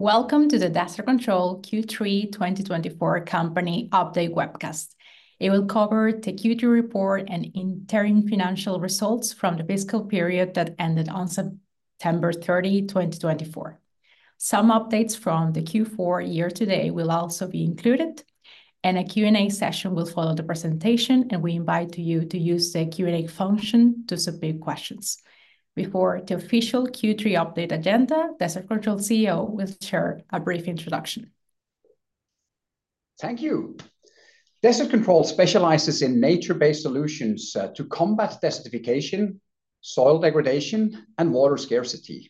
Welcome to the Desert Control Q3 2024 Company Update webcast. It will cover the Q3 report and interim financial results from the fiscal period that ended on September 30, 2024. Some updates from the Q4 year-to-date will also be included, and a Q&A session will follow the presentation, and we invite you to use the Q&A function to submit questions. Before the official Q3 update agenda, Desert Control CEO will share a brief introduction. Thank you. Desert Control specializes in nature-based solutions to combat desertification, soil degradation, and water scarcity.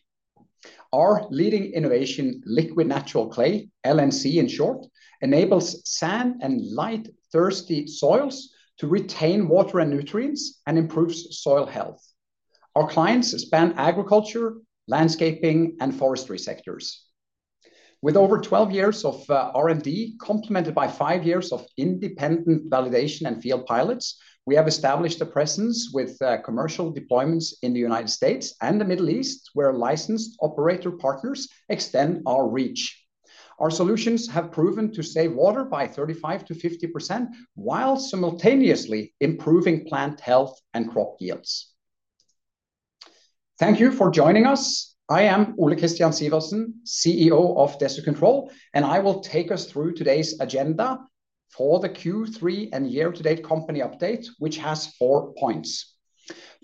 Our leading innovation, Liquid Natural Clay (LNC) in short, enables sand and light, thirsty soils to retain water and nutrients and improves soil health. Our clients span agriculture, landscaping, and forestry sectors. With over 12 years of R&D complemented by five years of independent validation and field pilots, we have established a presence with commercial deployments in the United States and the Middle East, where licensed operator partners extend our reach. Our solutions have proven to save water by 35%-50% while simultaneously improving plant health and crop yields. Thank you for joining us. I am Ole Kristian Sivertsen, CEO of Desert Control, and I will take us through today's agenda for the Q3 and year-to-date company update, which has four points.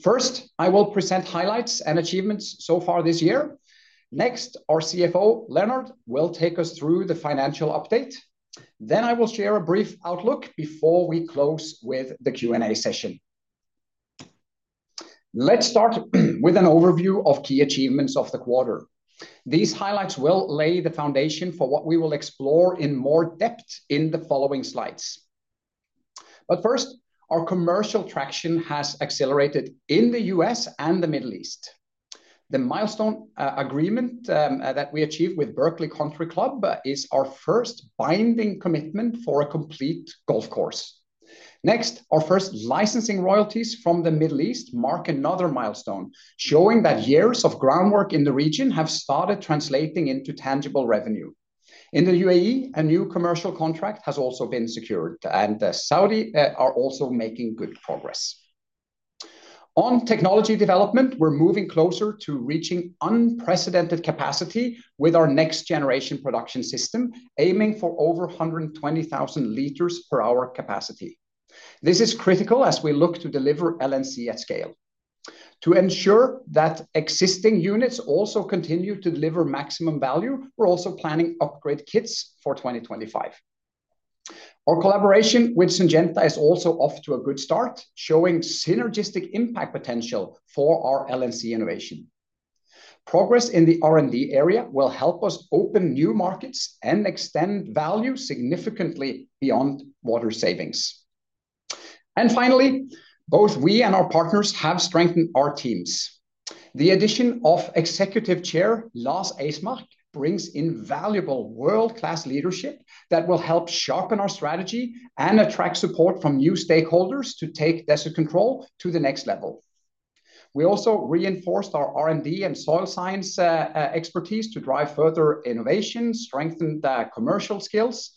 First, I will present highlights and achievements so far this year. Next, our CFO, Leonard, will take us through the financial update, then I will share a brief outlook before we close with the Q&A session. Let's start with an overview of key achievements of the quarter. These highlights will lay the foundation for what we will explore in more depth in the following slides, but first, our commercial traction has accelerated in the U.S. and the Middle East. The milestone agreement that we achieved with Berkeley Country Club is our first binding commitment for a complete golf course. Next, our first licensing royalties from the Middle East mark another milestone, showing that years of groundwork in the region have started translating into tangible revenue. In the UAE, a new commercial contract has also been secured, and Saudi Arabia are also making good progress. On technology development, we're moving closer to reaching unprecedented capacity with our next-generation production system, aiming for over 120,000 liters per hour capacity. This is critical as we look to deliver LNC at scale. To ensure that existing units also continue to deliver maximum value, we're also planning upgrade kits for 2025. Our collaboration with Syngenta is also off to a good start, showing synergistic impact potential for our LNC innovation. Progress in the R&D area will help us open new markets and extend value significantly beyond water savings. And finally, both we and our partners have strengthened our teams. The addition of Executive Chair Lars Eismark brings invaluable world-class leadership that will help sharpen our strategy and attract support from new stakeholders to take Desert Control to the next level. We also reinforced our R&D and soil science expertise to drive further innovation, strengthened commercial skills.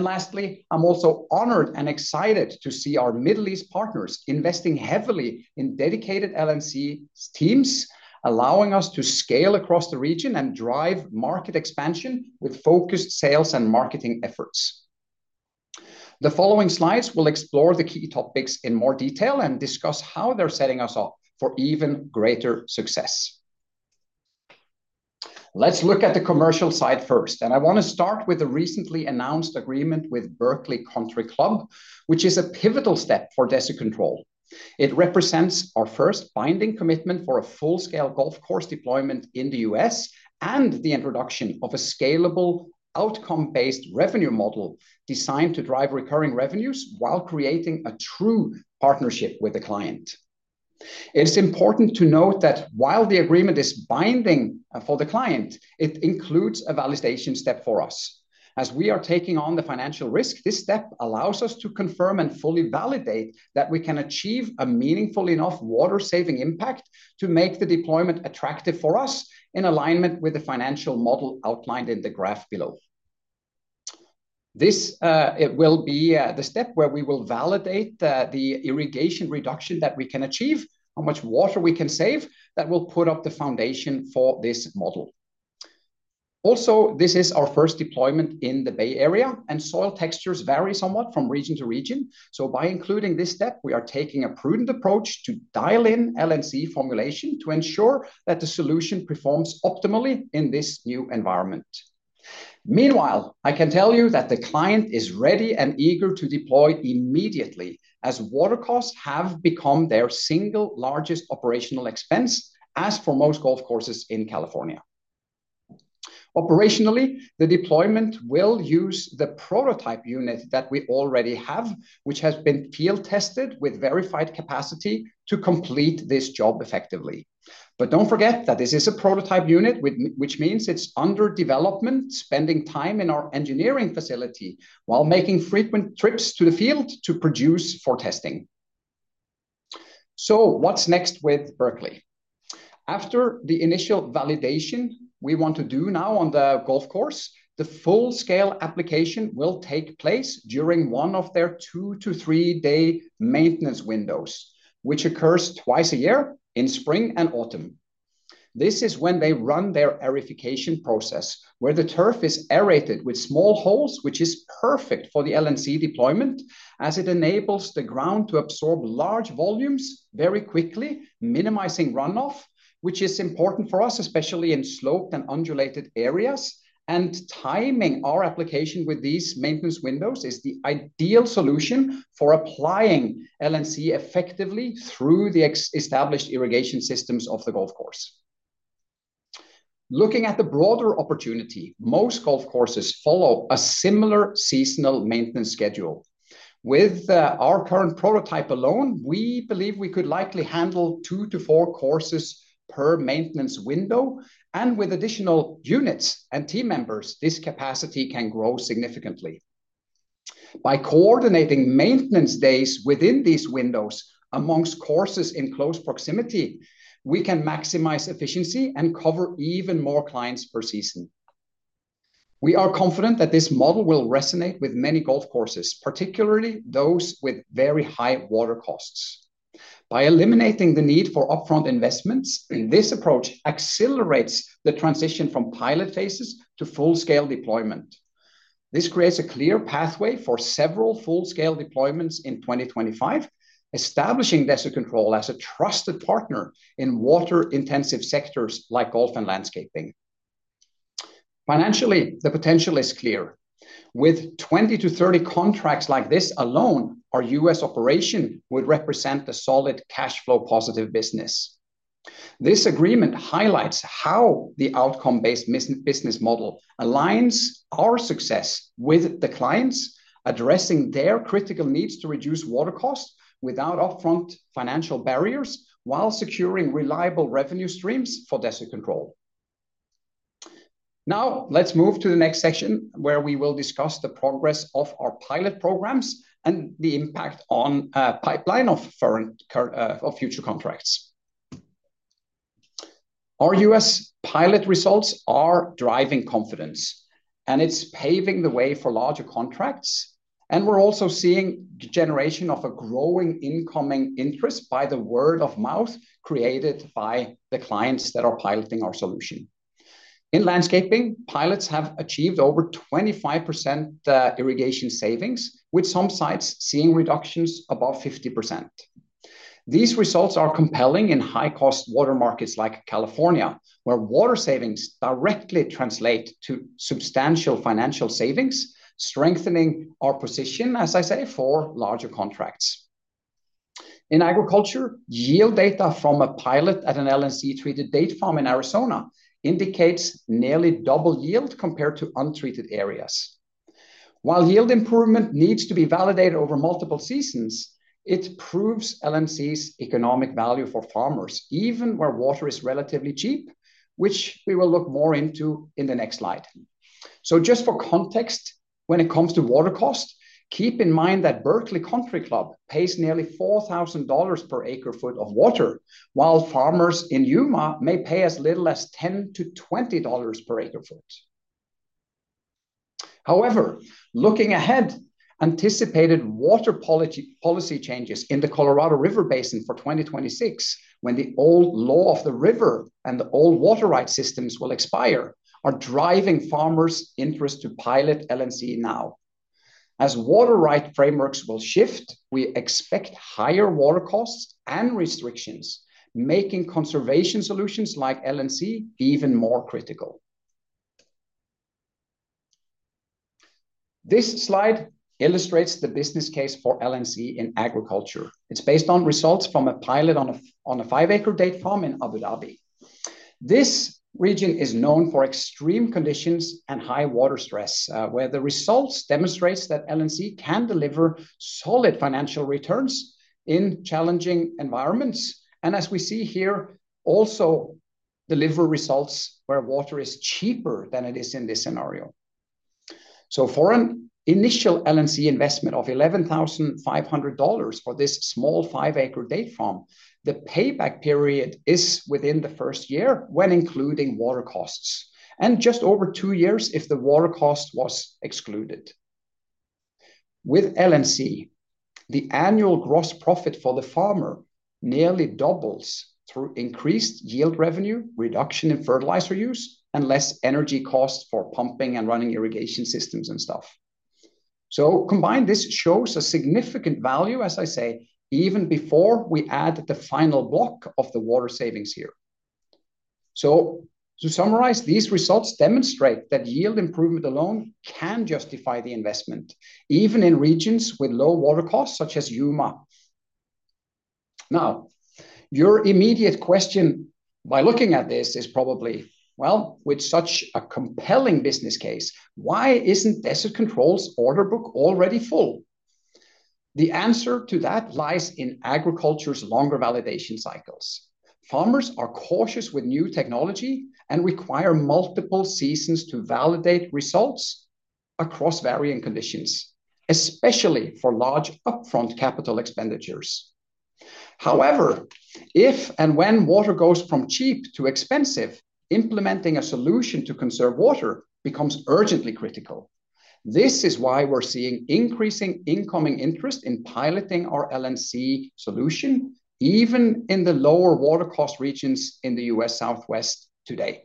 Lastly, I'm also honored and excited to see our Middle East partners investing heavily in dedicated LNC teams, allowing us to scale across the region and drive market expansion with focused sales and marketing efforts. The following slides will explore the key topics in more detail and discuss how they're setting us up for even greater success. Let's look at the commercial side first, and I want to start with the recently announced agreement with Berkeley Country Club, which is a pivotal step for Desert Control. It represents our first binding commitment for a full-scale golf course deployment in the US and the introduction of a scalable outcome-based revenue model designed to drive recurring revenues while creating a true partnership with the client. It's important to note that while the agreement is binding for the client, it includes a validation step for us. As we are taking on the financial risk, this step allows us to confirm and fully validate that we can achieve a meaningful enough water-saving impact to make the deployment attractive for us in alignment with the financial model outlined in the graph below. This will be the step where we will validate the irrigation reduction that we can achieve, how much water we can save that will put up the foundation for this model. Also, this is our first deployment in the Bay Area, and soil textures vary somewhat from region to region. So by including this step, we are taking a prudent approach to dial in LNC formulation to ensure that the solution performs optimally in this new environment. Meanwhile, I can tell you that the client is ready and eager to deploy immediately as water costs have become their single largest operational expense, as for most golf courses in California. Operationally, the deployment will use the prototype unit that we already have, which has been field tested with verified capacity to complete this job effectively. But don't forget that this is a prototype unit, which means it's under development, spending time in our engineering facility while making frequent trips to the field to produce for testing. So what's next with Berkeley? After the initial validation we want to do now on the golf course, the full-scale application will take place during one of their two- to three-day maintenance windows, which occurs twice a year in spring and autumn. This is when they run their aerification process, where the turf is aerated with small holes, which is perfect for the LNC deployment as it enables the ground to absorb large volumes very quickly, minimizing runoff, which is important for us, especially in sloped and undulating areas. Timing our application with these maintenance windows is the ideal solution for applying LNC effectively through the established irrigation systems of the golf course. Looking at the broader opportunity, most golf courses follow a similar seasonal maintenance schedule. With our current prototype alone, we believe we could likely handle two to four courses per maintenance window, and with additional units and team members, this capacity can grow significantly. By coordinating maintenance days within these windows amongst courses in close proximity, we can maximize efficiency and cover even more clients per season. We are confident that this model will resonate with many golf courses, particularly those with very high water costs. By eliminating the need for upfront investments, this approach accelerates the transition from pilot phases to full-scale deployment. This creates a clear pathway for several full-scale deployments in 2025, establishing Desert Control as a trusted partner in water-intensive sectors like golf and landscaping. Financially, the potential is clear. With 20-30 contracts like this alone, our U.S. operation would represent a solid cash flow-positive business. This agreement highlights how the outcome-based business model aligns our success with the clients, addressing their critical needs to reduce water costs without upfront financial barriers while securing reliable revenue streams for Desert Control. Now, let's move to the next section, where we will discuss the progress of our pilot programs and the impact on the pipeline of future contracts. Our U.S. pilot results are driving confidence, and it's paving the way for larger contracts, and we're also seeing the generation of a growing incoming interest by the word of mouth created by the clients that are piloting our solution. In landscaping, pilots have achieved over 25% irrigation savings, with some sites seeing reductions above 50%. These results are compelling in high-cost water markets like California, where water savings directly translate to substantial financial savings, strengthening our position, as I say, for larger contracts. In agriculture, yield data from a pilot at an LNC-treated date farm in Arizona indicates nearly double yield compared to untreated areas. While yield improvement needs to be validated over multiple seasons, it proves LNC's economic value for farmers, even where water is relatively cheap, which we will look more into in the next slide. So just for context, when it comes to water cost, keep in mind that Berkeley Country Club pays nearly $4,000 per acre foot of water, while farmers in Yuma may pay as little as $10-$20 per acre foot. However, looking ahead, anticipated water policy changes in the Colorado River Basin for 2026, when the old law of the river and the old water rights systems will expire, are driving farmers' interest to pilot LNC now. As water rights frameworks will shift, we expect higher water costs and restrictions, making conservation solutions like LNC even more critical. This slide illustrates the business case for LNC in agriculture. It's based on results from a pilot on a five-acre date farm in Abu Dhabi. This region is known for extreme conditions and high water stress, where the results demonstrate that LNC can deliver solid financial returns in challenging environments, and as we see here, also deliver results where water is cheaper than it is in this scenario, so for an initial LNC investment of $11,500 for this small five-acre date farm, the payback period is within the first year when including water costs, and just over two years if the water cost was excluded. With LNC, the annual gross profit for the farmer nearly doubles through increased yield revenue, reduction in fertilizer use, and less energy costs for pumping and running irrigation systems and stuff, so combined, this shows a significant value, as I say, even before we add the final block of the water savings here. So to summarize, these results demonstrate that yield improvement alone can justify the investment, even in regions with low water costs such as Yuma. Now, your immediate question by looking at this is probably, well, with such a compelling business case, why isn't Desert Control's order book already full? The answer to that lies in agriculture's longer validation cycles. Farmers are cautious with new technology and require multiple seasons to validate results across varying conditions, especially for large upfront capital expenditures. However, if and when water goes from cheap to expensive, implementing a solution to conserve water becomes urgently critical. This is why we're seeing increasing incoming interest in piloting our LNC solution, even in the lower water cost regions in the U.S. Southwest today.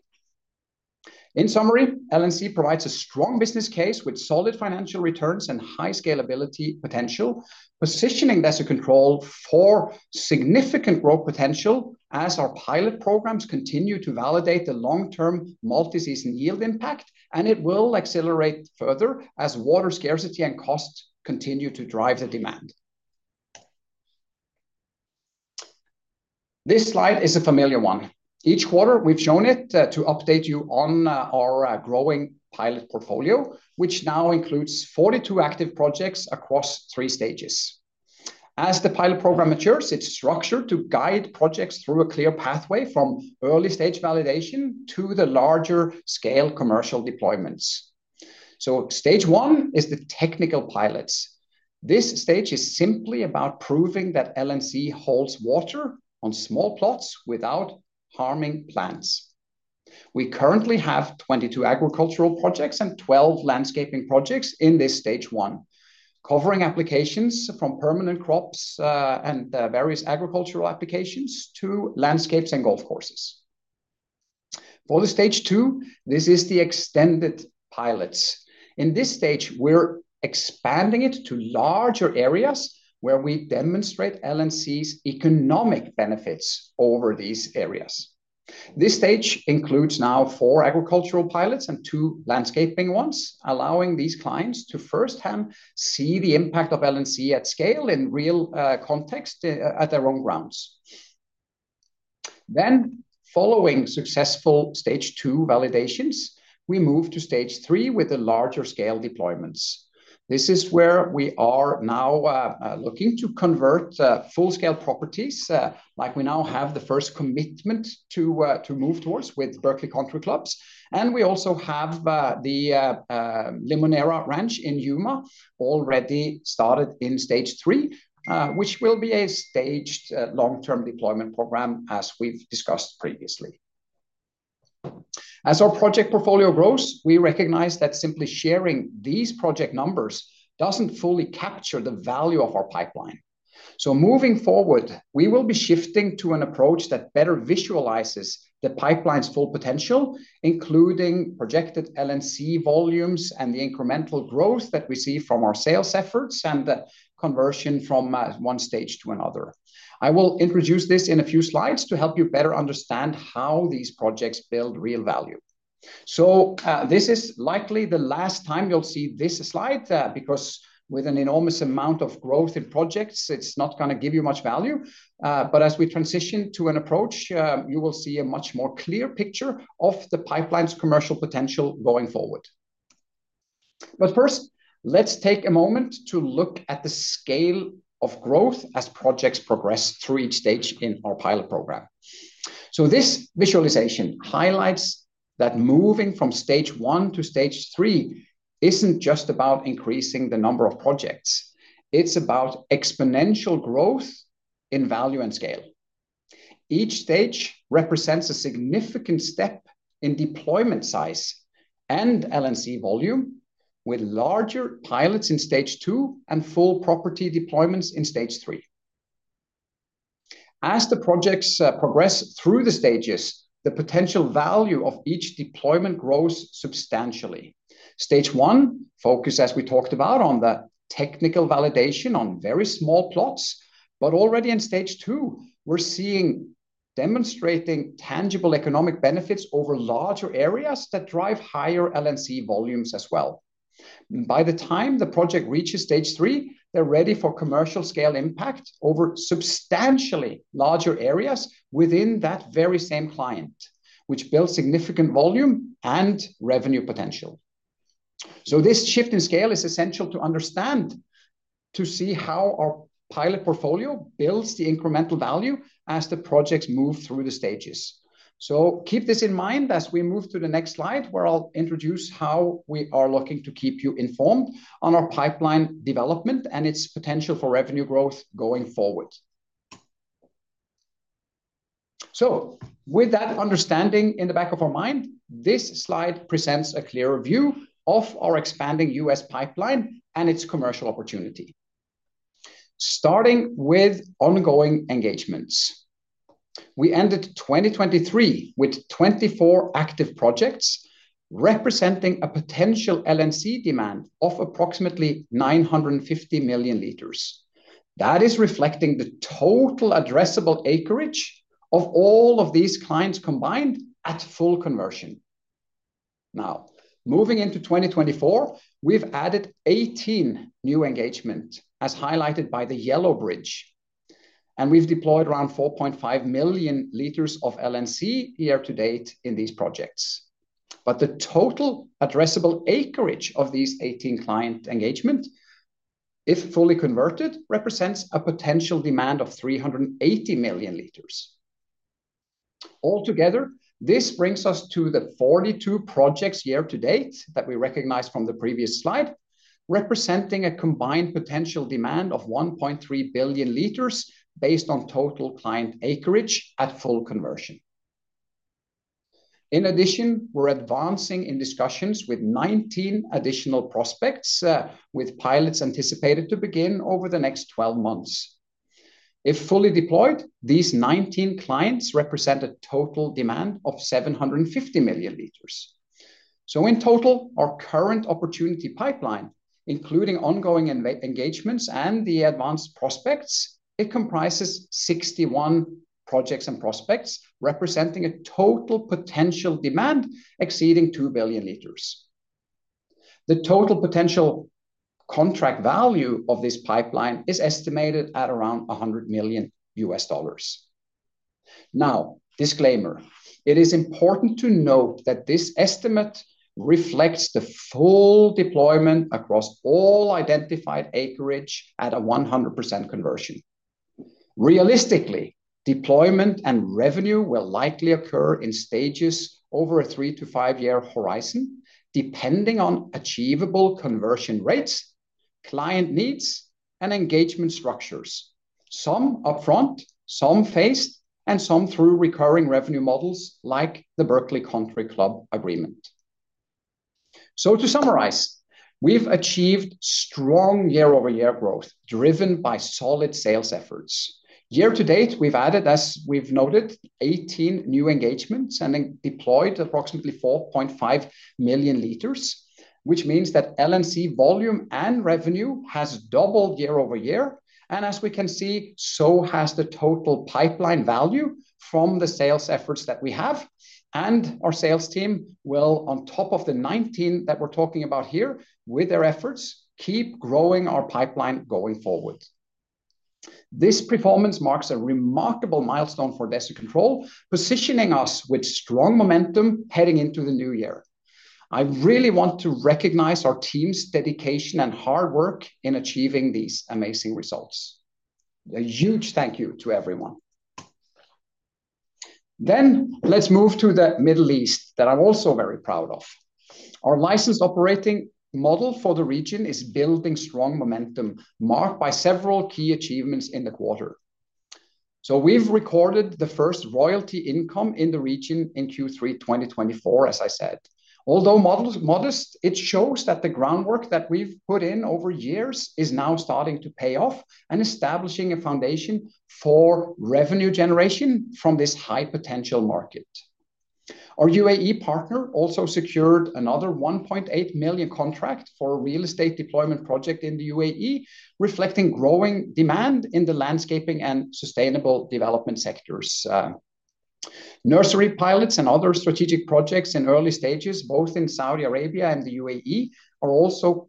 In summary, LNC provides a strong business case with solid financial returns and high scalability potential, positioning Desert Control for significant growth potential as our pilot programs continue to validate the long-term multi-season yield impact, and it will accelerate further as water scarcity and costs continue to drive the demand. This slide is a familiar one. Each quarter, we've shown it to update you on our growing pilot portfolio, which now includes 42 active projects across three stages. As the pilot program matures, it's structured to guide projects through a clear pathway from early-stage validation to the larger scale commercial deployments. So stage one is the technical pilots. This stage is simply about proving that LNC holds water on small plots without harming plants. We currently have 22 agricultural projects and 12 landscaping projects in this stage one, covering applications from permanent crops and various agricultural applications to landscapes and golf courses. For the stage two, this is the extended pilots. In this stage, we're expanding it to larger areas where we demonstrate LNC's economic benefits over these areas. This stage includes now four agricultural pilots and two landscaping ones, allowing these clients to firsthand see the impact of LNC at scale in real context at their own grounds. Then, following successful stage two validations, we move to stage three with the larger scale deployments. This is where we are now looking to convert full-scale properties like we now have the first commitment to move towards with Berkeley Country Club. We also have the Limoneira Ranch in Yuma already started in stage three, which will be a staged long-term deployment program, as we've discussed previously. As our project portfolio grows, we recognize that simply sharing these project numbers doesn't fully capture the value of our pipeline. Moving forward, we will be shifting to an approach that better visualizes the pipeline's full potential, including projected LNC volumes and the incremental growth that we see from our sales efforts and the conversion from one stage to another. I will introduce this in a few slides to help you better understand how these projects build real value. This is likely the last time you'll see this slide because with an enormous amount of growth in projects, it's not going to give you much value. But as we transition to an approach, you will see a much more clear picture of the pipeline's commercial potential going forward. But first, let's take a moment to look at the scale of growth as projects progress through each stage in our pilot program. So this visualization highlights that moving from stage one to stage three isn't just about increasing the number of projects. It's about exponential growth in value and scale. Each stage represents a significant step in deployment size and LNC volume, with larger pilots in stage two and full property deployments in stage three. As the projects progress through the stages, the potential value of each deployment grows substantially. Stage one focuses, as we talked about, on the technical validation on very small plots, but already in stage two, we're seeing demonstrating tangible economic benefits over larger areas that drive higher LNC volumes as well. By the time the project reaches stage three, they're ready for commercial scale impact over substantially larger areas within that very same client, which builds significant volume and revenue potential. So this shift in scale is essential to understand to see how our pilot portfolio builds the incremental value as the projects move through the stages. So keep this in mind as we move to the next slide, where I'll introduce how we are looking to keep you informed on our pipeline development and its potential for revenue growth going forward. So with that understanding in the back of our mind, this slide presents a clearer view of our expanding U.S. pipeline and its commercial opportunity, starting with ongoing engagements. We ended 2023 with 24 active projects representing a potential LNC demand of approximately 950 million liters. That is reflecting the total addressable acreage of all of these clients combined at full conversion. Now, moving into 2024, we've added 18 new engagements, as highlighted by the yellow bridge, and we've deployed around 4.5 million liters of LNC year to date in these projects, but the total addressable acreage of these 18 client engagements, if fully converted, represents a potential demand of 380 million liters. Altogether, this brings us to the 42 projects year to date that we recognize from the previous slide, representing a combined potential demand of 1.3 billion liters based on total client acreage at full conversion. In addition, we're advancing in discussions with 19 additional prospects, with pilots anticipated to begin over the next 12 months. If fully deployed, these 19 clients represent a total demand of 750 million liters. In total, our current opportunity pipeline, including ongoing engagements and the advanced prospects, comprises 61 projects and prospects representing a total potential demand exceeding 2 billion liters. The total potential contract value of this pipeline is estimated at around $100 million. Now, disclaimer, it is important to note that this estimate reflects the full deployment across all identified acreage at a 100% conversion. Realistically, deployment and revenue will likely occur in stages over a three- to five-year horizon, depending on achievable conversion rates, client needs, and engagement structures, some upfront, some phased, and some through recurring revenue models like the Berkeley Country Club agreement. To summarize, we've achieved strong year-over-year growth driven by solid sales efforts. Year to date, we've added, as we've noted, 18 new engagements and deployed approximately 4.5 million liters, which means that LNC volume and revenue has doubled year over year. And as we can see, so has the total pipeline value from the sales efforts that we have. And our sales team will, on top of the 19 that we're talking about here, with their efforts, keep growing our pipeline going forward. This performance marks a remarkable milestone for Desert Control, positioning us with strong momentum heading into the new year. I really want to recognize our team's dedication and hard work in achieving these amazing results. A huge thank you to everyone. Then let's move to the Middle East that I'm also very proud of. Our license operating model for the region is building strong momentum marked by several key achievements in the quarter. So we've recorded the first royalty income in the region in Q3 2024, as I said. Although modest, it shows that the groundwork that we've put in over years is now starting to pay off and establishing a foundation for revenue generation from this high potential market. Our UAE partner also secured another $1.8 million contract for a real estate deployment project in the UAE, reflecting growing demand in the landscaping and sustainable development sectors. Nursery pilots and other strategic projects in early stages, both in Saudi Arabia and the UAE, are also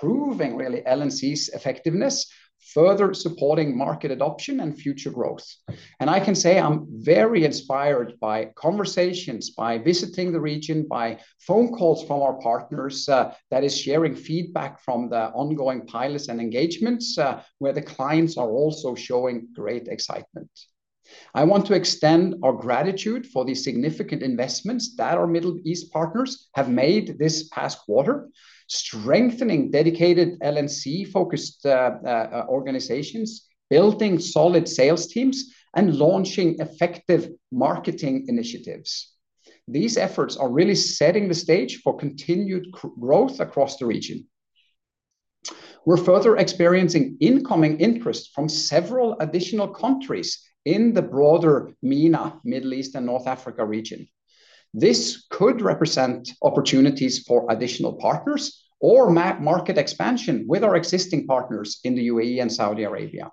proving really LNC's effectiveness, further supporting market adoption and future growth. And I can say I'm very inspired by conversations, by visiting the region, by phone calls from our partners that are sharing feedback from the ongoing pilots and engagements where the clients are also showing great excitement. I want to extend our gratitude for the significant investments that our Middle East partners have made this past quarter, strengthening dedicated LNC-focused organizations, building solid sales teams, and launching effective marketing initiatives. These efforts are really setting the stage for continued growth across the region. We're further experiencing incoming interest from several additional countries in the broader MENA, Middle East, and North Africa region. This could represent opportunities for additional partners or market expansion with our existing partners in the UAE and Saudi Arabia.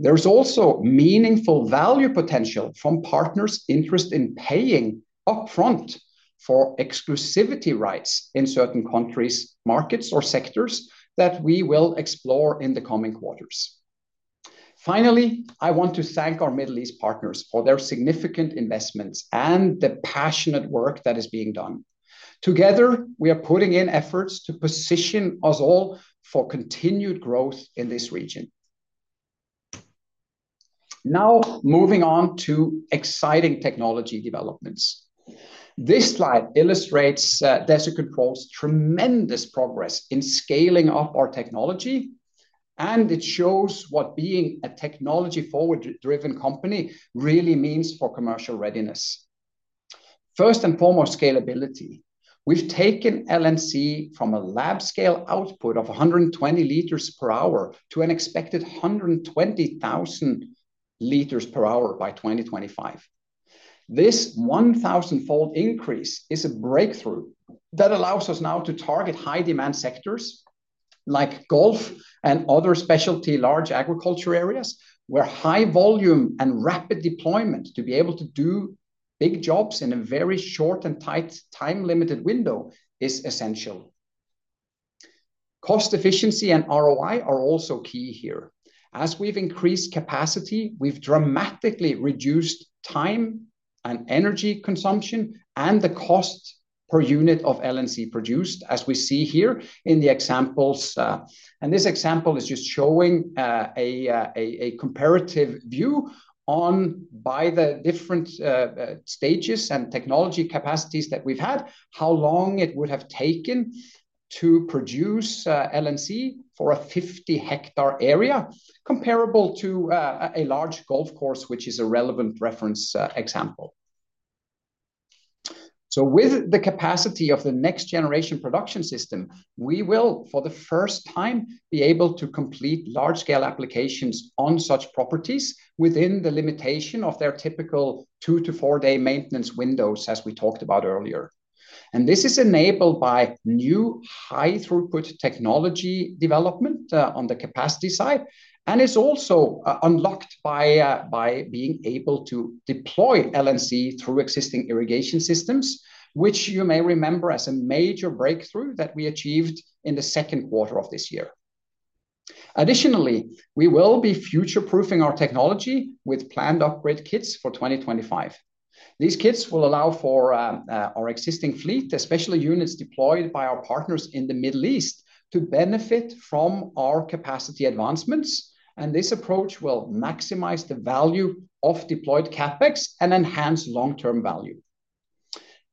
There's also meaningful value potential from partners' interest in paying upfront for exclusivity rights in certain countries, markets, or sectors that we will explore in the coming quarters. Finally, I want to thank our Middle East partners for their significant investments and the passionate work that is being done. Together, we are putting in efforts to position us all for continued growth in this region. Now, moving on to exciting technology developments. This slide illustrates Desert Control's tremendous progress in scaling up our technology, and it shows what being a technology-forward-driven company really means for commercial readiness. First and foremost, scalability. We've taken LNC from a lab scale output of 120 liters per hour to an expected 120,000 liters per hour by 2025. This 1,000-fold increase is a breakthrough that allows us now to target high-demand sectors like golf and other specialty large agriculture areas, where high volume and rapid deployment to be able to do big jobs in a very short and tight time-limited window is essential. Cost efficiency and ROI are also key here. As we've increased capacity, we've dramatically reduced time and energy consumption and the cost per unit of LNC produced, as we see here in the examples. This example is just showing a comparative view on, by the different stages and technology capacities that we've had, how long it would have taken to produce LNC for a 50-hectare area comparable to a large golf course, which is a relevant reference example. With the capacity of the next-generation production system, we will, for the first time, be able to complete large-scale applications on such properties within the limitation of their typical two to four-day maintenance windows, as we talked about earlier. This is enabled by new high-throughput technology development on the capacity side, and it's also unlocked by being able to deploy LNC through existing irrigation systems, which you may remember as a major breakthrough that we achieved in the second quarter of this year. Additionally, we will be future-proofing our technology with planned upgrade kits for 2025. These kits will allow for our existing fleet, especially units deployed by our partners in the Middle East, to benefit from our capacity advancements, and this approach will maximize the value of deployed CapEx and enhance long-term value.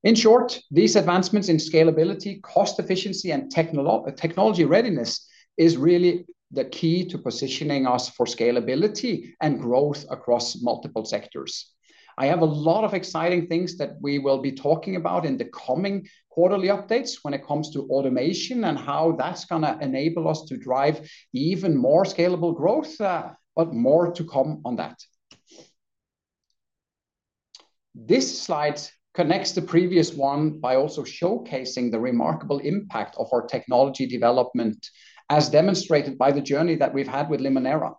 In short, these advancements in scalability, cost efficiency, and technology readiness are really the key to positioning us for scalability and growth across multiple sectors. I have a lot of exciting things that we will be talking about in the coming quarterly updates when it comes to automation and how that's going to enable us to drive even more scalable growth, but more to come on that. This slide connects the previous one by also showcasing the remarkable impact of our technology development, as demonstrated by the journey that we've had with Limoneira,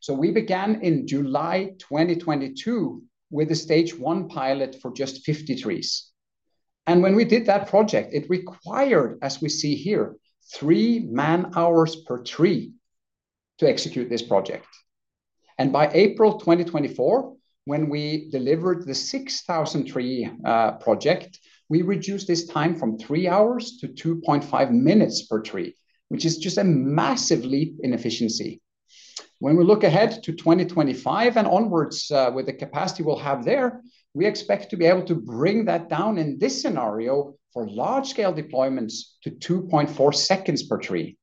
so we began in July 2022 with a stage one pilot for just 50 trees. When we did that project, it required, as we see here, three man-hours per tree to execute this project. By April 2024, when we delivered the 6,000-tree project, we reduced this time from three hours to 2.5 minutes per tree, which is just a massive leap in efficiency. When we look ahead to 2025 and onwards with the capacity we'll have there, we expect to be able to bring that down in this scenario for large-scale deployments to 2.4 seconds per tree.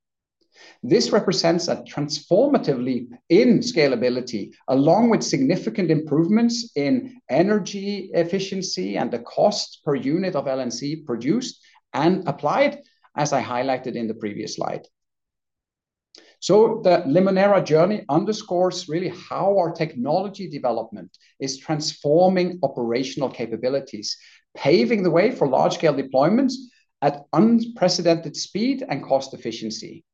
This represents a transformative leap in scalability, along with significant improvements in energy efficiency and the cost per unit of LNC produced and applied, as I highlighted in the previous slide. The Limoneira journey underscores really how our technology development is transforming operational capabilities, paving the way for large-scale deployments at unprecedented speed and cost efficiency.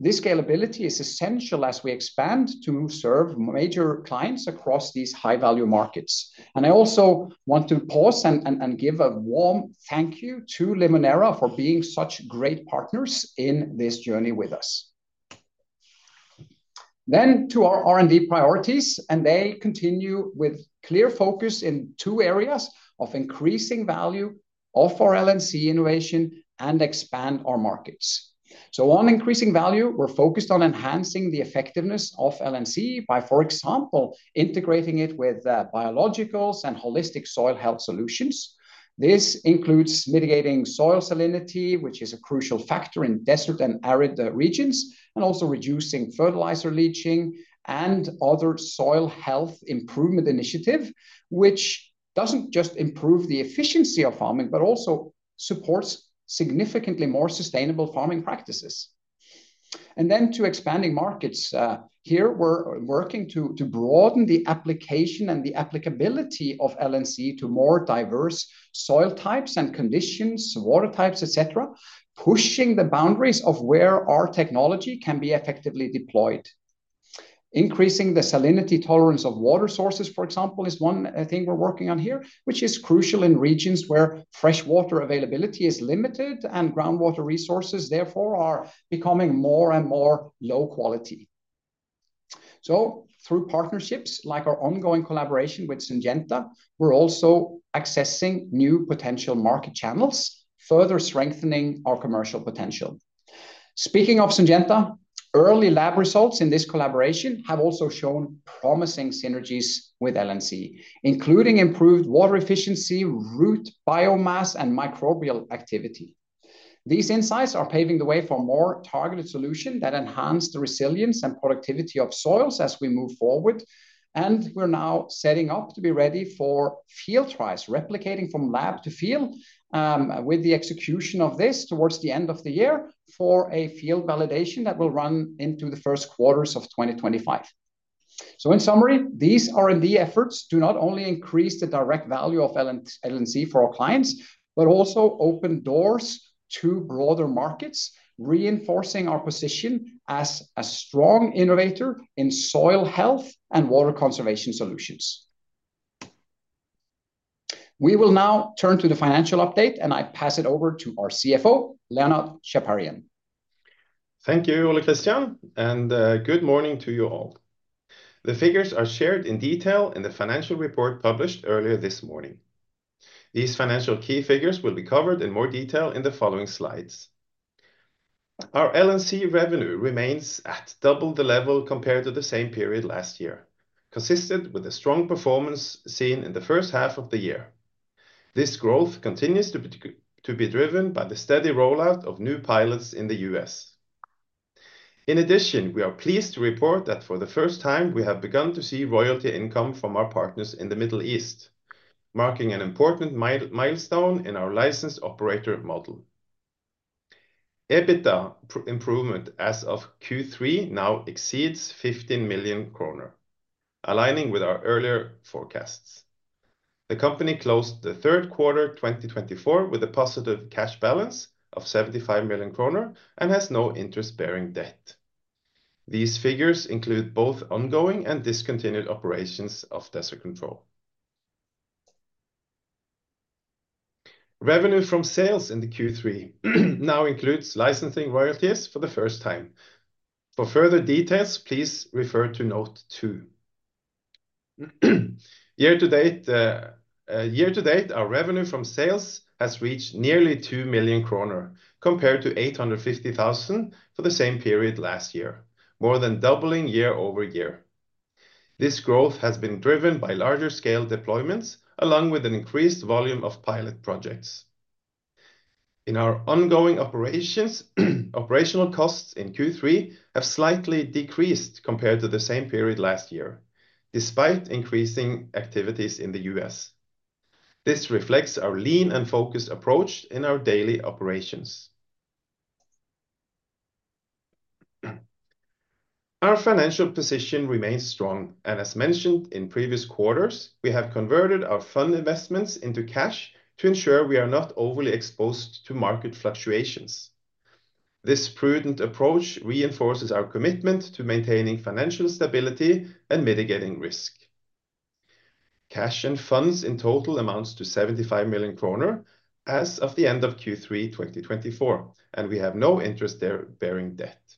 This scalability is essential as we expand to serve major clients across these high-value markets. And I also want to pause and give a warm thank you to Limoneira for being such great partners in this journey with us. Then to our R&D priorities, and they continue with clear focus in two areas of increasing value of our LNC innovation and expand our markets. So on increasing value, we're focused on enhancing the effectiveness of LNC by, for example, integrating it with biologicals and holistic soil health solutions. This includes mitigating soil salinity, which is a crucial factor in desert and arid regions, and also reducing fertilizer leaching and other soil health improvement initiatives, which doesn't just improve the efficiency of farming, but also supports significantly more sustainable farming practices. Then to expanding markets, here we're working to broaden the application and the applicability of LNC to more diverse soil types and conditions, water types, etc., pushing the boundaries of where our technology can be effectively deployed. Increasing the salinity tolerance of water sources, for example, is one thing we're working on here, which is crucial in regions where freshwater availability is limited and groundwater resources, therefore, are becoming more and more low quality. So through partnerships like our ongoing collaboration with Syngenta, we're also accessing new potential market channels, further strengthening our commercial potential. Speaking of Syngenta, early lab results in this collaboration have also shown promising synergies with LNC, including improved water efficiency, root biomass, and microbial activity. These insights are paving the way for more targeted solutions that enhance the resilience and productivity of soils as we move forward. We're now setting up to be ready for field trials, replicating from lab to field, with the execution of this towards the end of the year for a field validation that will run into the first quarters of 2025. In summary, these R&D efforts do not only increase the direct value of LNC for our clients, but also open doors to broader markets, reinforcing our position as a strong innovator in soil health and water conservation solutions. We will now turn to the financial update, and I pass it over to our CFO, Leonard Chaparian. Thank you, Ole Kristian, and good morning to you all. The figures are shared in detail in the financial report published earlier this morning. These financial key figures will be covered in more detail in the following slides. Our LNC revenue remains at double the level compared to the same period last year, consistent with the strong performance seen in the first half of the year. This growth continues to be driven by the steady rollout of new pilots in the US. In addition, we are pleased to report that for the first time, we have begun to see royalty income from our partners in the Middle East, marking an important milestone in our license operator model. EBITDA improvement as of Q3 now exceeds 15 million kroner, aligning with our earlier forecasts. The company closed the third quarter 2024 with a positive cash balance of 75 million kroner and has no interest-bearing debt. These figures include both ongoing and discontinued operations of Desert Control. Revenue from sales in the Q3 now includes licensing royalties for the first time. For further details, please refer to note two. Year to date, our revenue from sales has reached nearly 2 million kroner compared to 850,000 for the same period last year, more than doubling year over year. This growth has been driven by larger-scale deployments along with an increased volume of pilot projects. In our ongoing operations, operational costs in Q3 have slightly decreased compared to the same period last year, despite increasing activities in the U.S. This reflects our lean and focused approach in our daily operations. Our financial position remains strong, and as mentioned in previous quarters, we have converted our fund investments into cash to ensure we are not overly exposed to market fluctuations. This prudent approach reinforces our commitment to maintaining financial stability and mitigating risk. Cash and funds in total amounts to 75 million kroner as of the end of Q3 2024, and we have no interest-bearing debt.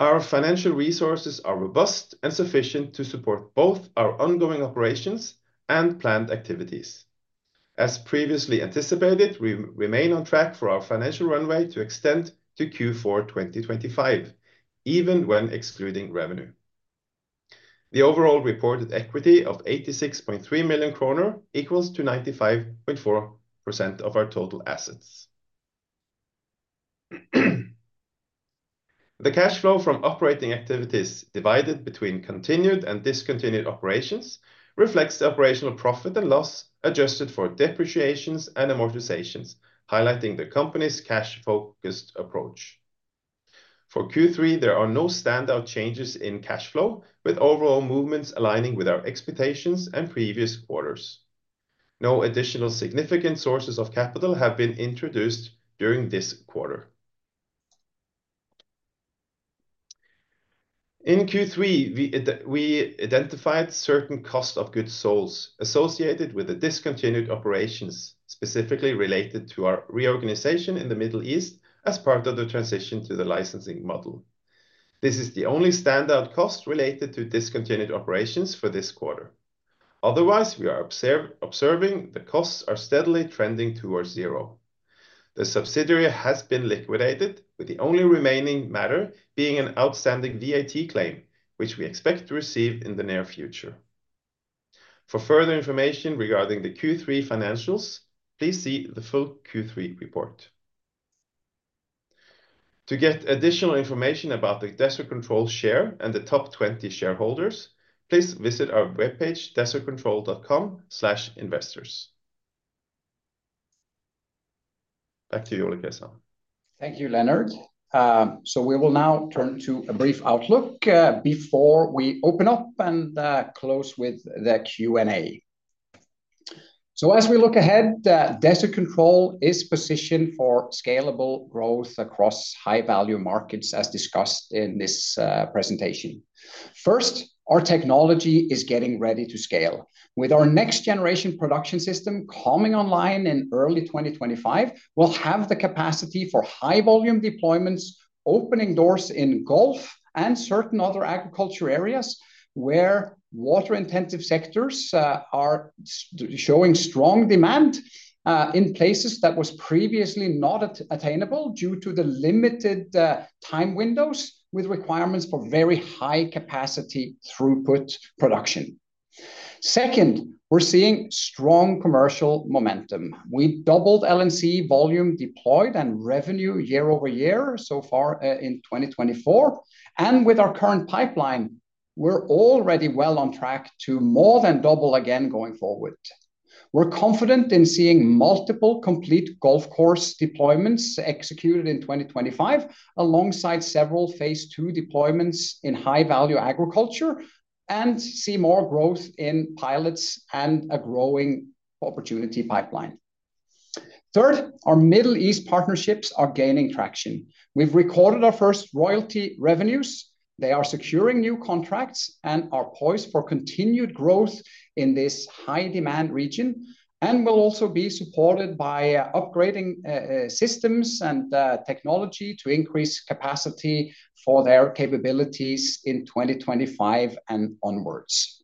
Our financial resources are robust and sufficient to support both our ongoing operations and planned activities. As previously anticipated, we remain on track for our financial runway to extend to Q4 2025, even when excluding revenue. The overall reported equity of 86.3 million kroner equals 95.4% of our total assets. The cash flow from operating activities divided between continued and discontinued operations reflects the operational profit and loss adjusted for depreciations and amortizations, highlighting the company's cash-focused approach. For Q3, there are no standout changes in cash flow, with overall movements aligning with our expectations and previous quarters. No additional significant sources of capital have been introduced during this quarter. In Q3, we identified certain cost of goods sold associated with the discontinued operations, specifically related to our reorganization in the Middle East as part of the transition to the licensing model. This is the only standout cost related to discontinued operations for this quarter. Otherwise, we are observing the costs are steadily trending towards zero. The subsidiary has been liquidated, with the only remaining matter being an outstanding VAT claim, which we expect to receive in the near future. For further information regarding the Q3 financials, please see the full Q3 report. To get additional information about the Desert Control share and the top 20 shareholders, please visit our webpage, desertcontrol.com/investors. Back to you, Ole Christian. Thank you, Leonard. So we will now turn to a brief outlook before we open up and close with the Q&A. So as we look ahead, Desert Control is positioned for scalable growth across high-value markets, as discussed in this presentation. First, our technology is getting ready to scale. With our next-generation production system coming online in early 2025, we'll have the capacity for high-volume deployments, opening doors in golf and certain other agriculture areas where water-intensive sectors are showing strong demand in places that were previously not attainable due to the limited time windows with requirements for very high-capacity throughput production. Second, we're seeing strong commercial momentum. We doubled LNC volume deployed and revenue year over year so far in 2024. And with our current pipeline, we're already well on track to more than double again going forward. We're confident in seeing multiple complete golf course deployments executed in 2025 alongside several phase two deployments in high-value agriculture and see more growth in pilots and a growing opportunity pipeline. Third, our Middle East partnerships are gaining traction. We've recorded our first royalty revenues. They are securing new contracts and are poised for continued growth in this high-demand region and will also be supported by upgrading systems and technology to increase capacity for their capabilities in 2025 and onwards.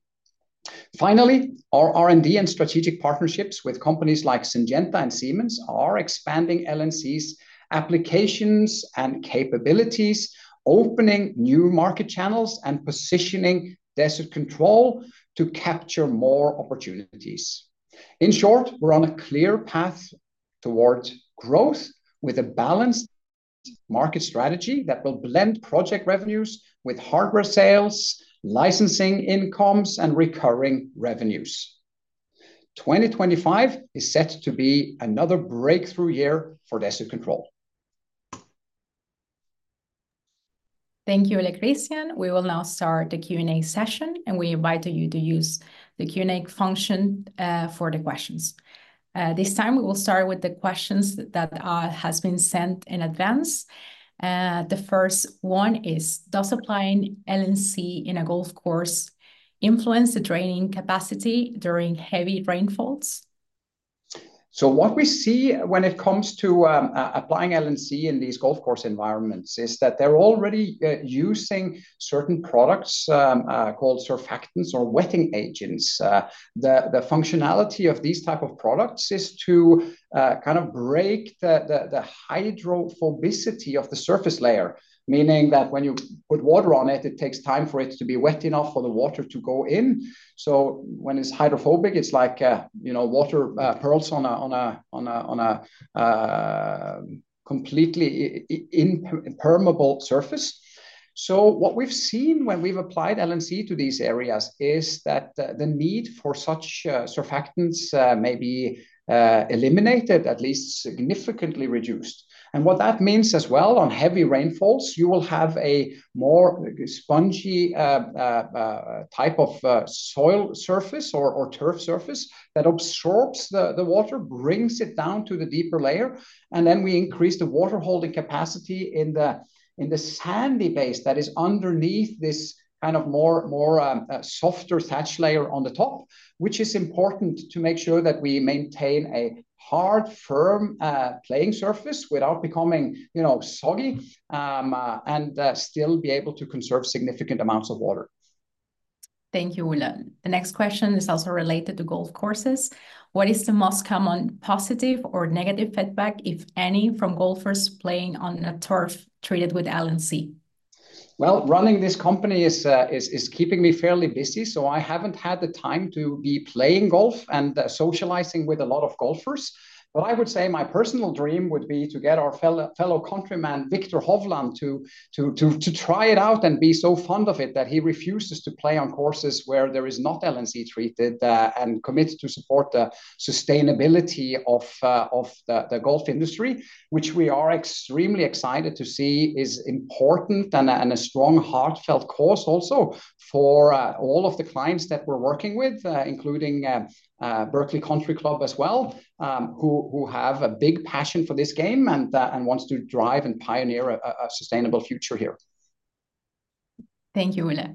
Finally, our R&D and strategic partnerships with companies like Syngenta and Siemens are expanding LNC's applications and capabilities, opening new market channels and positioning Desert Control to capture more opportunities. In short, we're on a clear path towards growth with a balanced market strategy that will blend project revenues with hardware sales, licensing incomes, and recurring revenues. 2025 is set to be another breakthrough year for Desert Control. Thank you, Ole Christian. We will now start the Q&A session, and we invite you to use the Q&A function for the questions. This time, we will start with the questions that have been sent in advance. The first one is, does applying LNC in a golf course influence the draining capacity during heavy rainfalls? So what we see when it comes to applying LNC in these golf course environments is that they're already using certain products called surfactants or wetting agents. The functionality of these types of products is to kind of break the hydrophobicity of the surface layer, meaning that when you put water on it, it takes time for it to be wet enough for the water to go in. So when it's hydrophobic, it's like water pearls on a completely impermeable surface. So what we've seen when we've applied LNC to these areas is that the need for such surfactants may be eliminated, at least significantly reduced. What that means as well, on heavy rainfalls, you will have a more spongy type of soil surface or turf surface that absorbs the water, brings it down to the deeper layer, and then we increase the water-holding capacity in the sandy base that is underneath this kind of more softer touch layer on the top, which is important to make sure that we maintain a hard, firm playing surface without becoming soggy and still be able to conserve significant amounts of water. Thank you, Ole. The next question is also related to golf courses. What is the most common positive or negative feedback, if any, from golfers playing on a turf treated with LNC? Running this company is keeping me fairly busy, so I haven't had the time to be playing golf and socializing with a lot of golfers. But I would say my personal dream would be to get our fellow countryman, Viktor Hovland, to try it out and be so fond of it that he refuses to play on courses where there is not LNC treated and commits to support the sustainability of the golf industry, which we are extremely excited to see is important and a strong heartfelt cause also for all of the clients that we're working with, including Berkeley Country Club as well, who have a big passion for this game and want to drive and pioneer a sustainable future here. Thank you, Ole.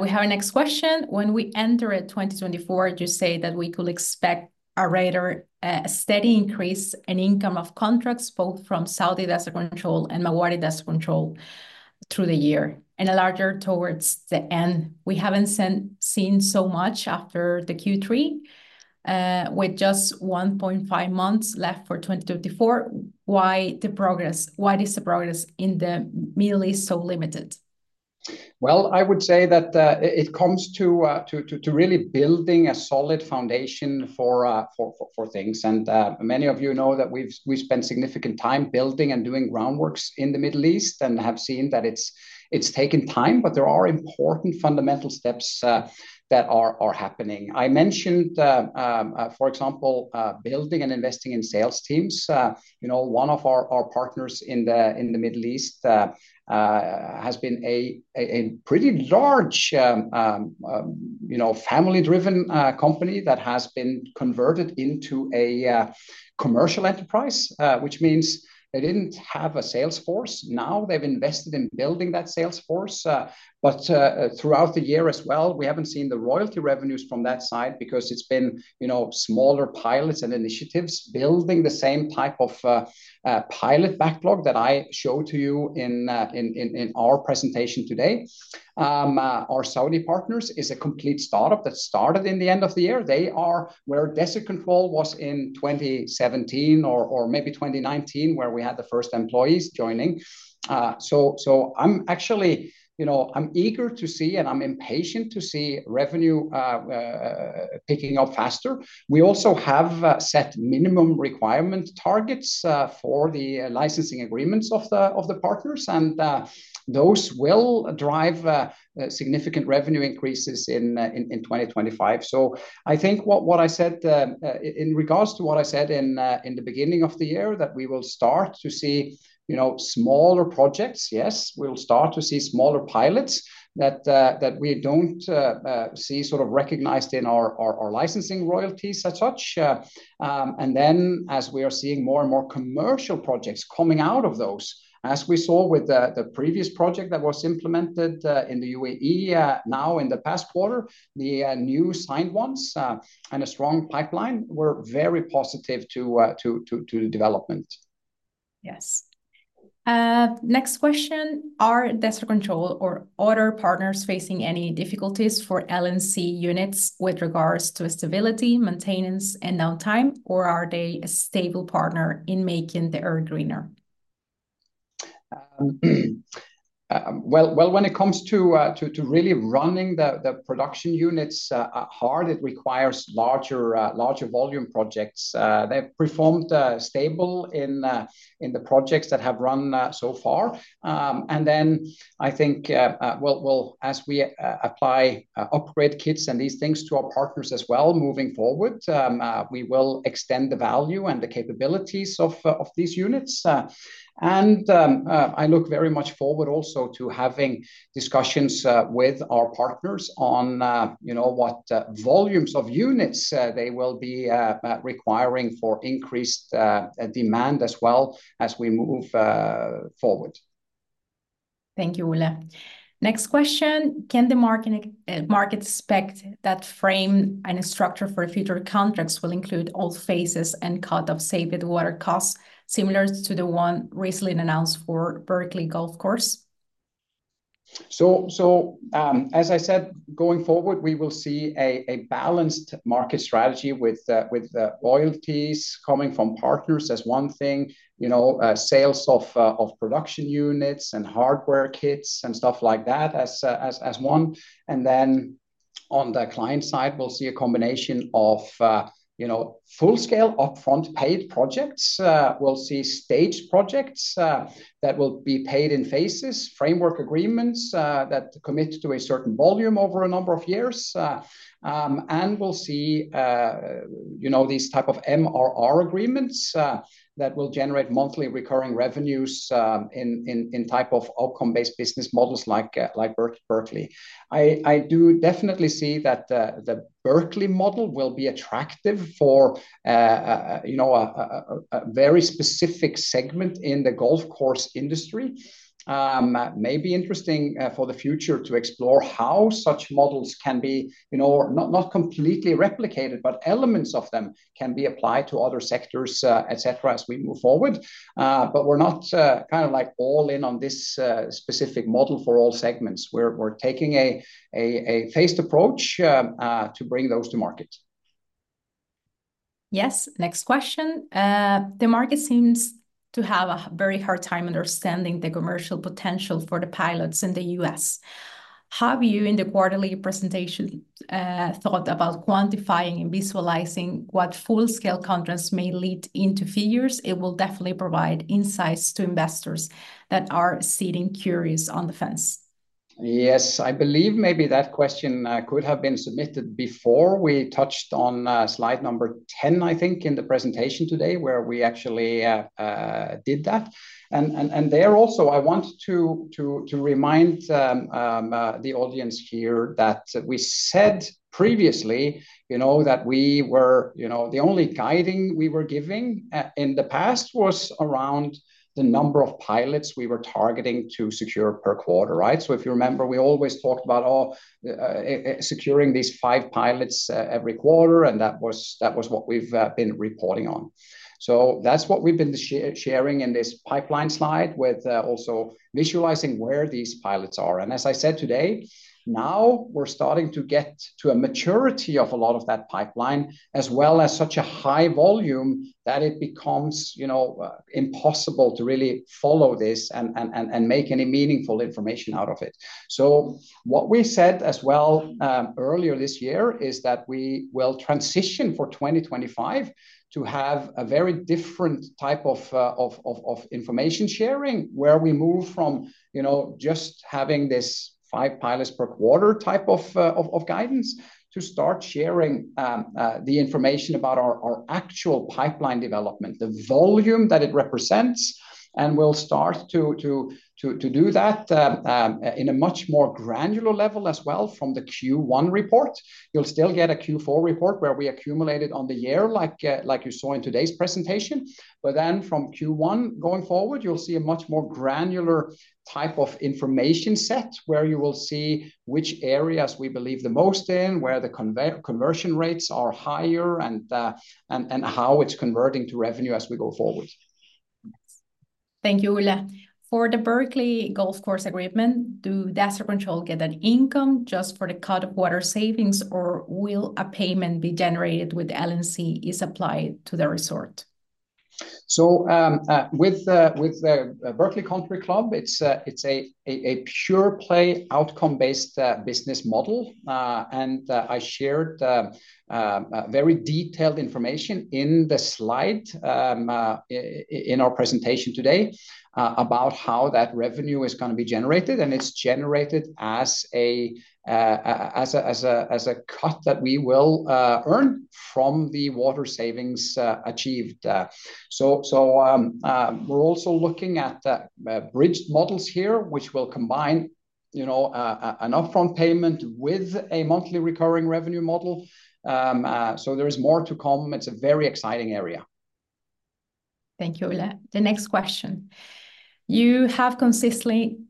We have our next question. When we enter 2024, you say that we could expect a rather steady increase in income of contracts both from Saudi Desert Control and Mawarid Desert Control through the year and a larger towards the end. We haven't seen so much after the Q3 with just 1.5 months left for 2024. Why is the progress in the Middle East so limited? Well, I would say that it comes to really building a solid foundation for things. And many of you know that we've spent significant time building and doing groundworks in the Middle East and have seen that it's taken time, but there are important fundamental steps that are happening. I mentioned, for example, building and investing in sales teams. One of our partners in the Middle East has been a pretty large family-driven company that has been converted into a commercial enterprise, which means they didn't have a sales force. Now they've invested in building that sales force. But throughout the year as well, we haven't seen the royalty revenues from that side because it's been smaller pilots and initiatives building the same type of pilot backlog that I showed to you in our presentation today. Our Saudi partners is a complete startup that started in the end of the year. They are where Desert Control was in 2017 or maybe 2019, where we had the first employees joining. So I'm actually eager to see and I'm impatient to see revenue picking up faster. We also have set minimum requirement targets for the licensing agreements of the partners, and those will drive significant revenue increases in 2025. I think what I said in regards to what I said in the beginning of the year, that we will start to see smaller projects, yes, we'll start to see smaller pilots that we don't see sort of recognized in our licensing royalties as such. Then, as we are seeing more and more commercial projects coming out of those, as we saw with the previous project that was implemented in the UAE now in the past quarter, the new signed ones and a strong pipeline were very positive to the development. Yes. Next question. Are Desert Control or other partners facing any difficulties for LNC units with regards to stability, maintenance, and downtime, or are they a stable partner in making the area greener? When it comes to really running the production units hard, it requires larger volume projects. They've performed stable in the projects that have run so far, and then I think, well, as we apply upgrade kits and these things to our partners as well moving forward, we will extend the value and the capabilities of these units, and I look very much forward also to having discussions with our partners on what volumes of units they will be requiring for increased demand as well as we move forward. Thank you, Ole. Next question. Can the market expect that frame and structure for future contracts will include all phases and cut of saved water costs similar to the one recently announced for Berkeley Country Club? So, as I said, going forward, we will see a balanced market strategy with royalties coming from partners as one thing, sales of production units and hardware kits and stuff like that as one. And then, on the client side, we'll see a combination of full-scale upfront paid projects. We'll see staged projects that will be paid in phases, framework agreements that commit to a certain volume over a number of years. And we'll see these types of MRR agreements that will generate monthly recurring revenues in type of outcome-based business models like Berkeley. I do definitely see that the Berkeley model will be attractive for a very specific segment in the golf course industry. Maybe interesting for the future to explore how such models can be not completely replicated, but elements of them can be applied to other sectors, etc., as we move forward. But we're not kind of all in on this specific model for all segments. We're taking a phased approach to bring those to market. Yes. Next question. The market seems to have a very hard time understanding the commercial potential for the pilots in the U.S. Have you, in the quarterly presentation, thought about quantifying and visualizing what full-scale contracts may lead into figures? It will definitely provide insights to investors that are sitting curious on the fence. Yes, I believe maybe that question could have been submitted before we touched on slide number 10, I think, in the presentation today where we actually did that. And there, I want to remind the audience here that we said previously that the only guiding we were giving in the past was around the number of pilots we were targeting to secure per quarter, right? So if you remember, we always talked about securing these five pilots every quarter, and that was what we've been reporting on. So that's what we've been sharing in this pipeline slide with also visualizing where these pilots are. And as I said today, now we're starting to get to a maturity of a lot of that pipeline as well as such a high volume that it becomes impossible to really follow this and make any meaningful information out of it. So what we said as well earlier this year is that we will transition for 2025 to have a very different type of information sharing where we move from just having this five pilots per quarter type of guidance to start sharing the information about our actual pipeline development, the volume that it represents. And we'll start to do that in a much more granular level as well from the Q1 report. You'll still get a Q4 report where we accumulate it on the year like you saw in today's presentation. But then from Q1 going forward, you'll see a much more granular type of information set where you will see which areas we believe the most in, where the conversion rates are higher, and how it's converting to revenue as we go forward. Thank you, Ole. For the Berkeley Country Club agreement, do Desert Control get an income just for the cut of water savings, or will a payment be generated with LNC is applied to the resort? So with the Berkeley Country Club, it's a pure play outcome-based business model. And I shared very detailed information in the slide in our presentation today about how that revenue is going to be generated. And it's generated as a cut that we will earn from the water savings achieved. So we're also looking at bridged models here, which will combine an upfront payment with a monthly recurring revenue model. So there is more to come. It's a very exciting area. Thank you, Ole. The next question. You have consistently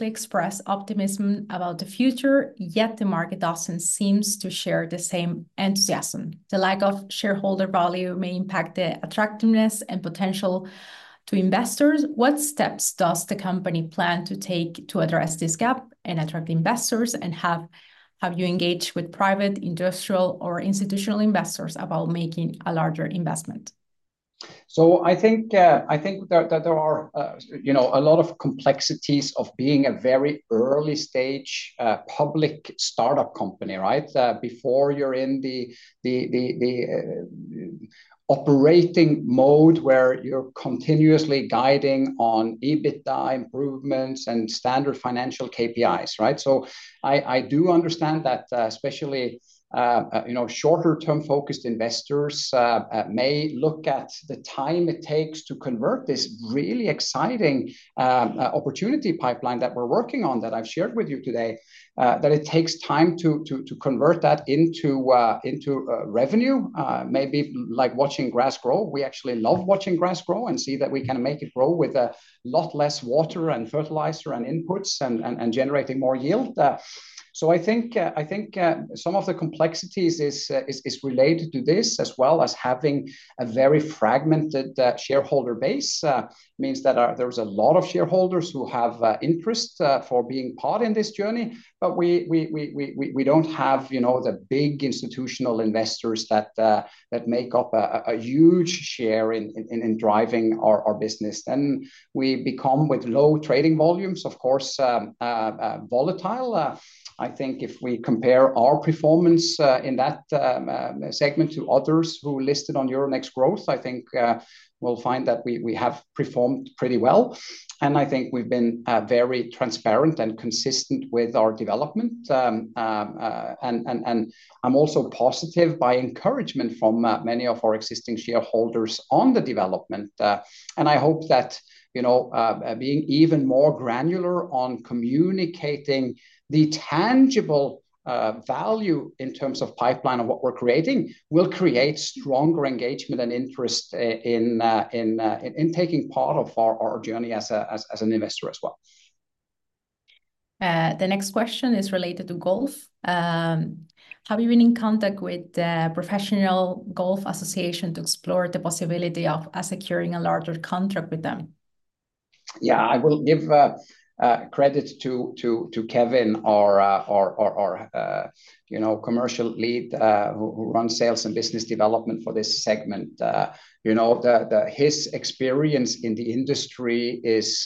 expressed optimism about the future, yet the market doesn't seem to share the same enthusiasm. The lack of shareholder value may impact the attractiveness and potential to investors. What steps does the company plan to take to address this gap and attract investors and have you engage with private industrial or institutional investors about making a larger investment? So I think that there are a lot of complexities of being a very early stage public startup company, right, before you're in the operating mode where you're continuously guiding on EBITDA improvements and standard financial KPIs, right? So, I do understand that especially shorter-term focused investors may look at the time it takes to convert this really exciting opportunity pipeline that we're working on that I've shared with you today, that it takes time to convert that into revenue, maybe like watching grass grow. We actually love watching grass grow and see that we can make it grow with a lot less water and fertilizer and inputs and generating more yield. So, I think some of the complexities is related to this as well as having a very fragmented shareholder base means that there's a lot of shareholders who have interest for being part in this journey. But we don't have the big institutional investors that make up a huge share in driving our business. Then we become, with low trading volumes, of course, volatile. I think if we compare our performance in that segment to others who listed on Euronext Growth, I think we'll find that we have performed pretty well. And I think we've been very transparent and consistent with our development. And I'm also positive by encouragement from many of our existing shareholders on the development. And I hope that being even more granular on communicating the tangible value in terms of pipeline of what we're creating will create stronger engagement and interest in taking part of our journey as an investor as well. The next question is related to golf. Have you been in contact with the Professional Golfers' Association to explore the possibility of securing a larger contract with them? Yeah, I will give credit to Kevin, our commercial lead who runs sales and business development for this segment. His experience in the industry is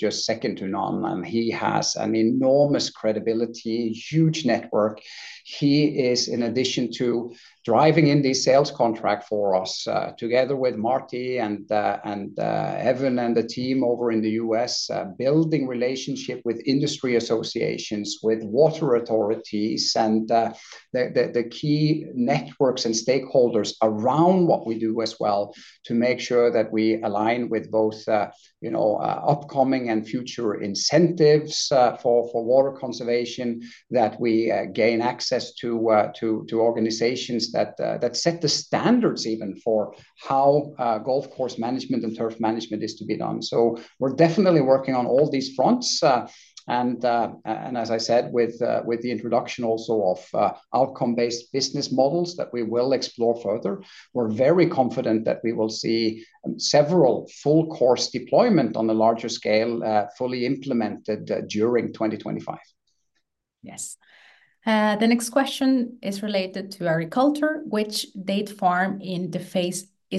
just second to none. He has an enormous credibility, huge network. He is, in addition to driving in these sales contracts for us, together with Marty and Evan and the team over in the US, building relationships with industry associations, with water authorities, and the key networks and stakeholders around what we do as well to make sure that we align with both upcoming and future incentives for water conservation, that we gain access to organizations that set the standards even for how golf course management and turf management is to be done. So we're definitely working on all these fronts. And as I said, with the introduction also of outcome-based business models that we will explore further, we're very confident that we will see several full course deployments on a larger scale fully implemented during 2025. Yes. The next question is related to agriculture. Which date farm is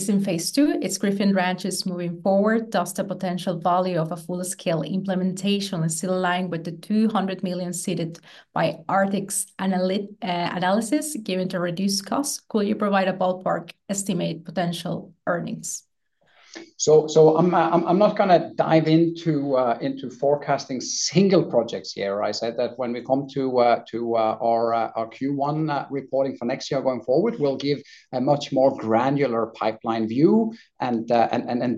in phase two? Is Griffin Ranches moving forward? Does the potential value of a full-scale implementation still align with the 200 million cited by Arctic's analysis given to reduced costs? Could you provide a ballpark estimate potential earnings? So I'm not going to dive into forecasting single projects here. I said that when we come to our Q1 reporting for next year going forward, we'll give a much more granular pipeline view and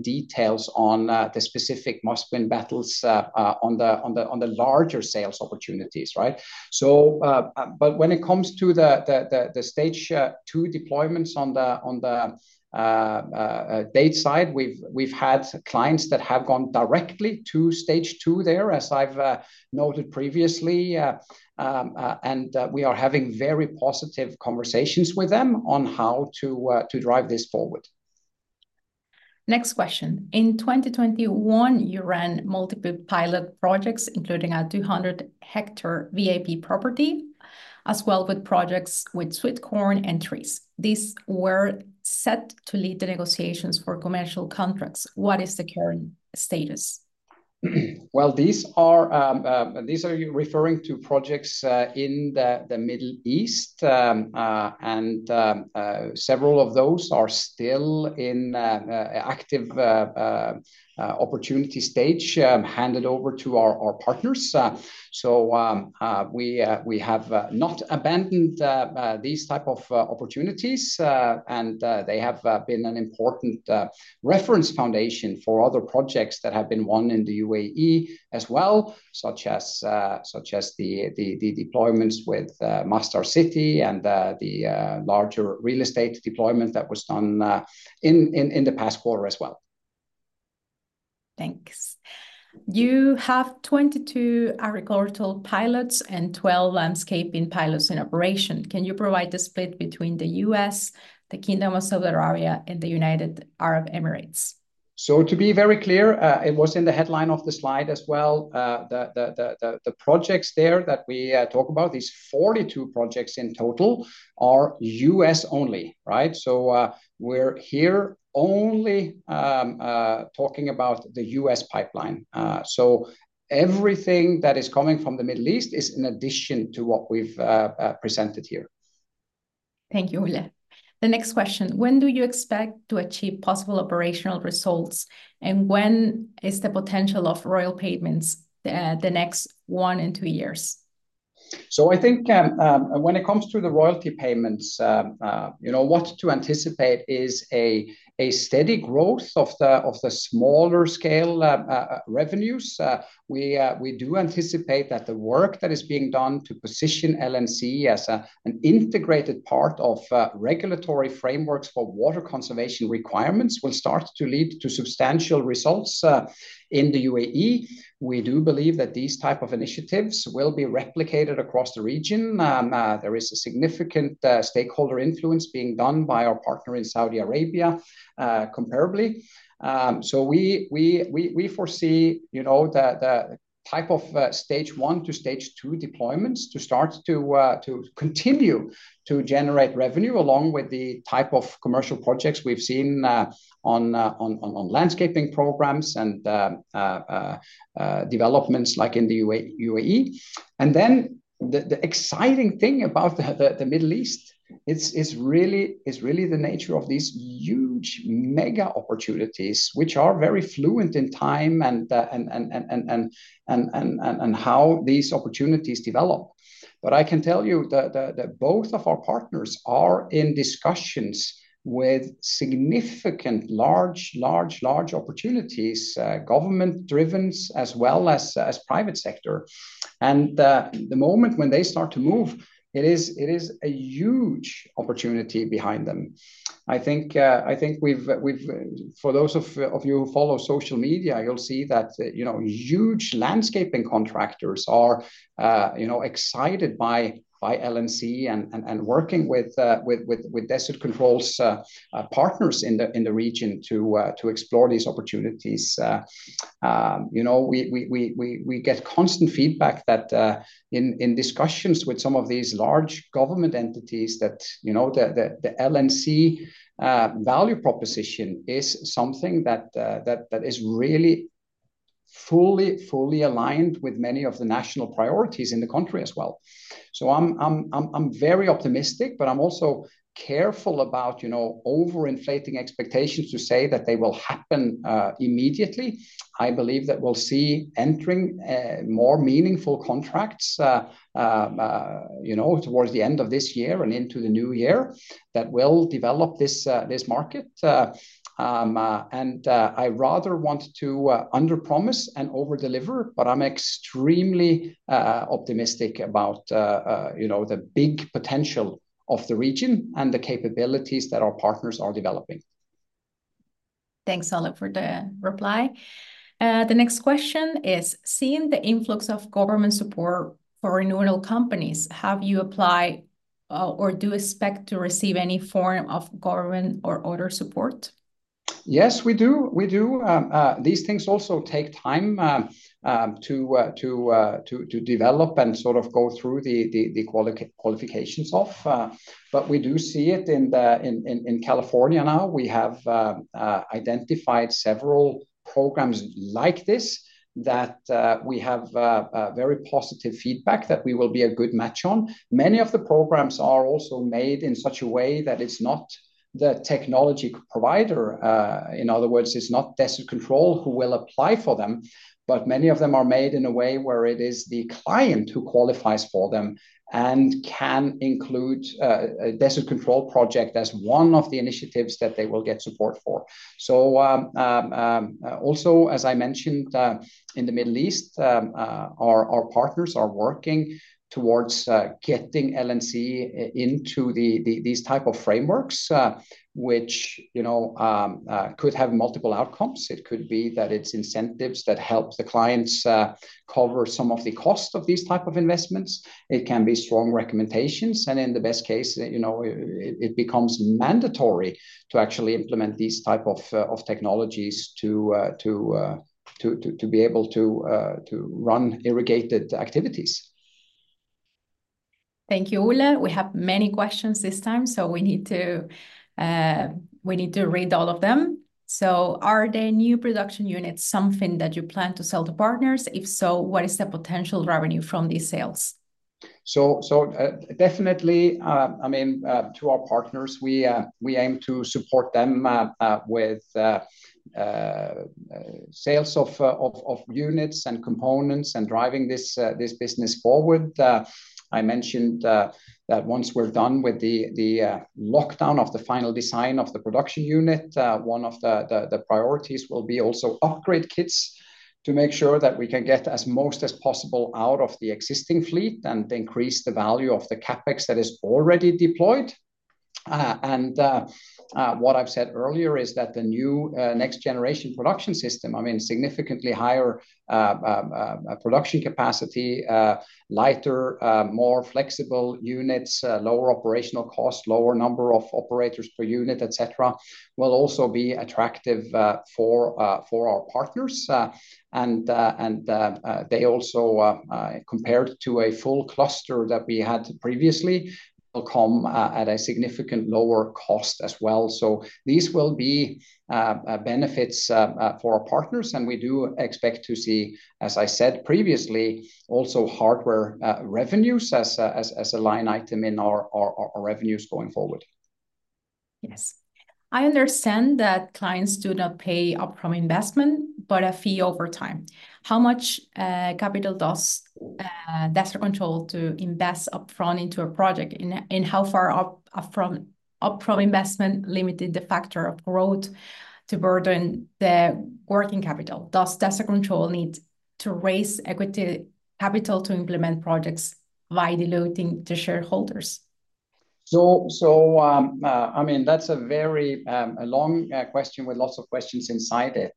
details on the specific must-win battles on the larger sales opportunities, right? But when it comes to the stage two deployments on the date side, we've had clients that have gone directly to stage two there, as I've noted previously. And we are having very positive conversations with them on how to drive this forward. Next question. In 2021, you ran multiple pilot projects, including a 200-hectare VAP property, as well with projects with sweetcorn and trees. These were set to lead the negotiations for commercial contracts. What is the current status? These are referring to projects in the Middle East. Several of those are still in active opportunity stage handed over to our partners. We have not abandoned these types of opportunities. They have been an important reference foundation for other projects that have been won in the UAE as well, such as the deployments with Masdar City and the larger real estate deployment that was done in the past quarter as well. Thanks. You have 22 agricultural pilots and 12 landscaping pilots in operation. Can you provide the split between the U.S., the Kingdom of Saudi Arabia, and the United Arab Emirates? To be very clear, it was in the headline of the slide as well. The projects there that we talk about, these 42 projects in total are US only, right? So we're here only talking about the US pipeline. So everything that is coming from the Middle East is in addition to what we've presented here. Thank you, Ole. The next question. When do you expect to achieve possible operational results? And when is the potential of royalty payments the next one and two years? So I think when it comes to the royalty payments, what to anticipate is a steady growth of the smaller scale revenues. We do anticipate that the work that is being done to position LNC as an integrated part of regulatory frameworks for water conservation requirements will start to lead to substantial results in the UAE. We do believe that these types of initiatives will be replicated across the region. There is a significant stakeholder influence being done by our partner in Saudi Arabia comparably. We foresee the type of stage one to stage two deployments to continue to generate revenue along with the type of commercial projects we've seen on landscaping programs and developments like in the UAE. The exciting thing about the Middle East is really the nature of these huge mega opportunities, which are very fluent in time and how these opportunities develop. I can tell you that both of our partners are in discussions with significant large, large, large opportunities, government-driven as well as private sector. The moment when they start to move, it is a huge opportunity behind them. I think for those of you who follow social media, you'll see that huge landscaping contractors are excited by LNC and working with Desert Control's partners in the region to explore these opportunities. We get constant feedback that in discussions with some of these large government entities that the LNC value proposition is something that is really fully, fully aligned with many of the national priorities in the country as well. So I'm very optimistic, but I'm also careful about overinflating expectations to say that they will happen immediately. I believe that we'll see entering more meaningful contracts towards the end of this year and into the new year that will develop this market, and I rather want to underpromise and overdeliver, but I'm extremely optimistic about the big potential of the region and the capabilities that our partners are developing. Thanks, Ole, for the reply. The next question is, seeing the influx of government support for renewable companies, have you applied or do expect to receive any form of government or other support? Yes, we do. We do. These things also take time to develop and sort of go through the qualifications of, but we do see it in California now. We have identified several programs like this that we have very positive feedback that we will be a good match on. Many of the programs are also made in such a way that it's not the technology provider. In other words, it's not Desert Control who will apply for them, but many of them are made in a way where it is the client who qualifies for them and can include a Desert Control project as one of the initiatives that they will get support for. Also, as I mentioned, in the Middle East, our partners are working towards getting LNC into these types of frameworks, which could have multiple outcomes. It could be that it's incentives that help the clients cover some of the cost of these types of investments. It can be strong recommendations. In the best case, it becomes mandatory to actually implement these types of technologies to be able to run irrigated activities. Thank you, Ole. We have many questions this time, so we need to read all of them. Are the new production units something that you plan to sell to partners? If so, what is the potential revenue from these sales? Definitely, I mean, to our partners, we aim to support them with sales of units and components and driving this business forward. I mentioned that once we're done with the lockdown of the final design of the production unit, one of the priorities will be also upgrade kits to make sure that we can get as much as possible out of the existing fleet and increase the value of the CapEx that is already deployed. And what I've said earlier is that the new next-generation production system, I mean, significantly higher production capacity, lighter, more flexible units, lower operational cost, lower number of operators per unit, etc., will also be attractive for our partners. And they also, compared to a full cluster that we had previously, will come at a significantly lower cost as well. So these will be benefits for our partners. And we do expect to see, as I said previously, also hardware revenues as a line item in our revenues going forward. Yes. I understand that clients do not pay upfront investment, but a fee over time. How much capital does Desert Control invest upfront into a project? And how far upfront investment limited the factor of growth to burden the working capital? Does Desert Control need to raise equity capital to implement projects by diluting the shareholders? So I mean, that's a very long question with lots of questions inside it,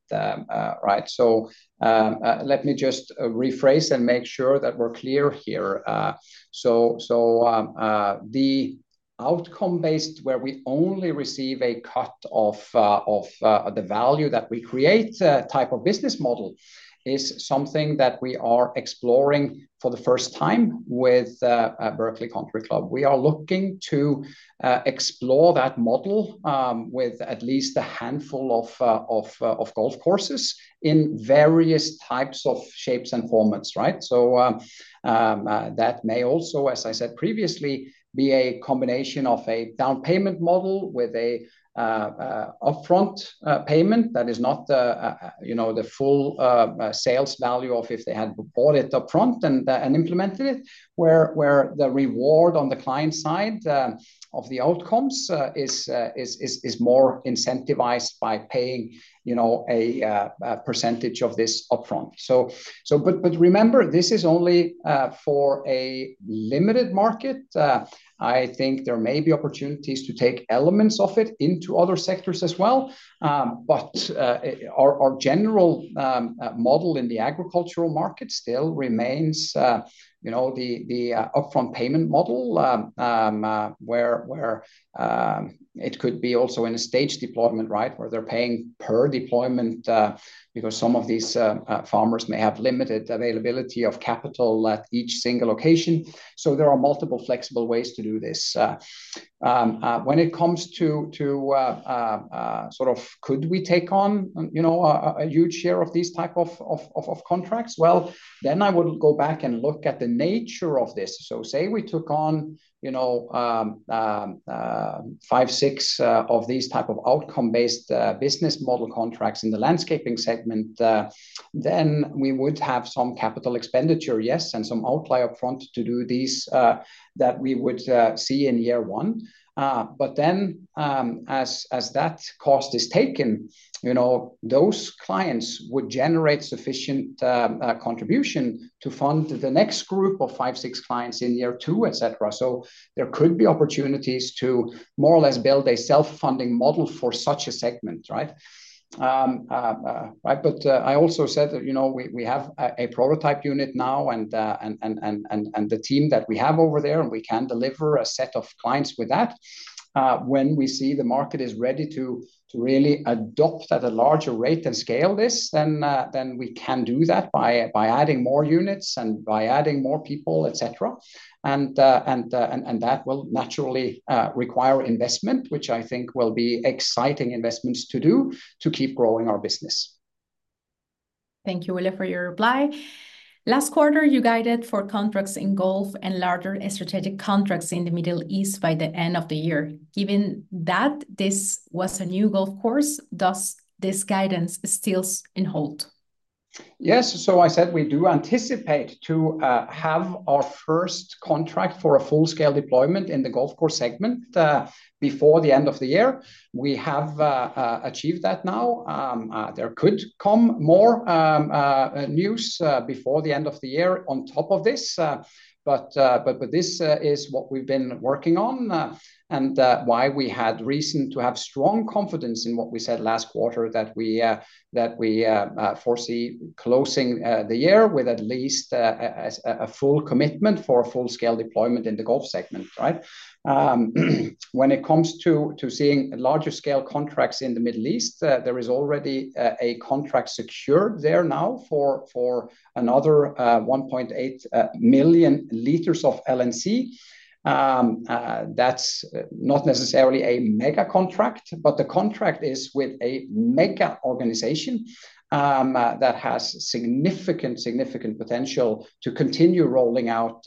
right? So let me just rephrase and make sure that we're clear here. So the outcome-based where we only receive a cut of the value that we create type of business model is something that we are exploring for the first time with Berkeley Country Club. We are looking to explore that model with at least a handful of golf courses in various types of shapes and formats, right? So that may also, as I said previously, be a combination of a down payment model with an upfront payment that is not the full sales value of if they had bought it upfront and implemented it, where the reward on the client side of the outcomes is more incentivized by paying a percentage of this upfront. But remember, this is only for a limited market. I think there may be opportunities to take elements of it into other sectors as well. But our general model in the agricultural market still remains the upfront payment model where it could be also in a stage deployment, right, where they're paying per deployment because some of these farmers may have limited availability of capital at each single location. So there are multiple flexible ways to do this. When it comes to sort of could we take on a huge share of these types of contracts, well, then I would go back and look at the nature of this. So say we took on five, six of these types of outcome-based business model contracts in the landscaping segment, then we would have some capital expenditure, yes, and some outlay upfront to do these that we would see in year one. But then as that cost is taken, those clients would generate sufficient contribution to fund the next group of five, six clients in year two, etc. So there could be opportunities to more or less build a self-funding model for such a segment, right? But I also said that we have a prototype unit now and the team that we have over there, and we can deliver a set of clients with that. When we see the market is ready to really adopt at a larger rate and scale this, then we can do that by adding more units and by adding more people, etc. And that will naturally require investment, which I think will be exciting investments to do to keep growing our business. Thank you, Ole, for your reply. Last quarter, you guided for contracts in golf and larger strategic contracts in the Middle East by the end of the year. Given that this was a new golf course, does this guidance still hold? Yes. So I said we do anticipate to have our first contract for a full-scale deployment in the golf course segment before the end of the year. We have achieved that now. There could come more news before the end of the year on top of this. But this is what we've been working on and why we had reason to have strong confidence in what we said last quarter that we foresee closing the year with at least a full commitment for a full-scale deployment in the golf segment, right? When it comes to seeing larger scale contracts in the Middle East, there is already a contract secured there now for another 1.8 million liters of LNC. That's not necessarily a mega contract, but the contract is with a mega organization that has significant, significant potential to continue rolling out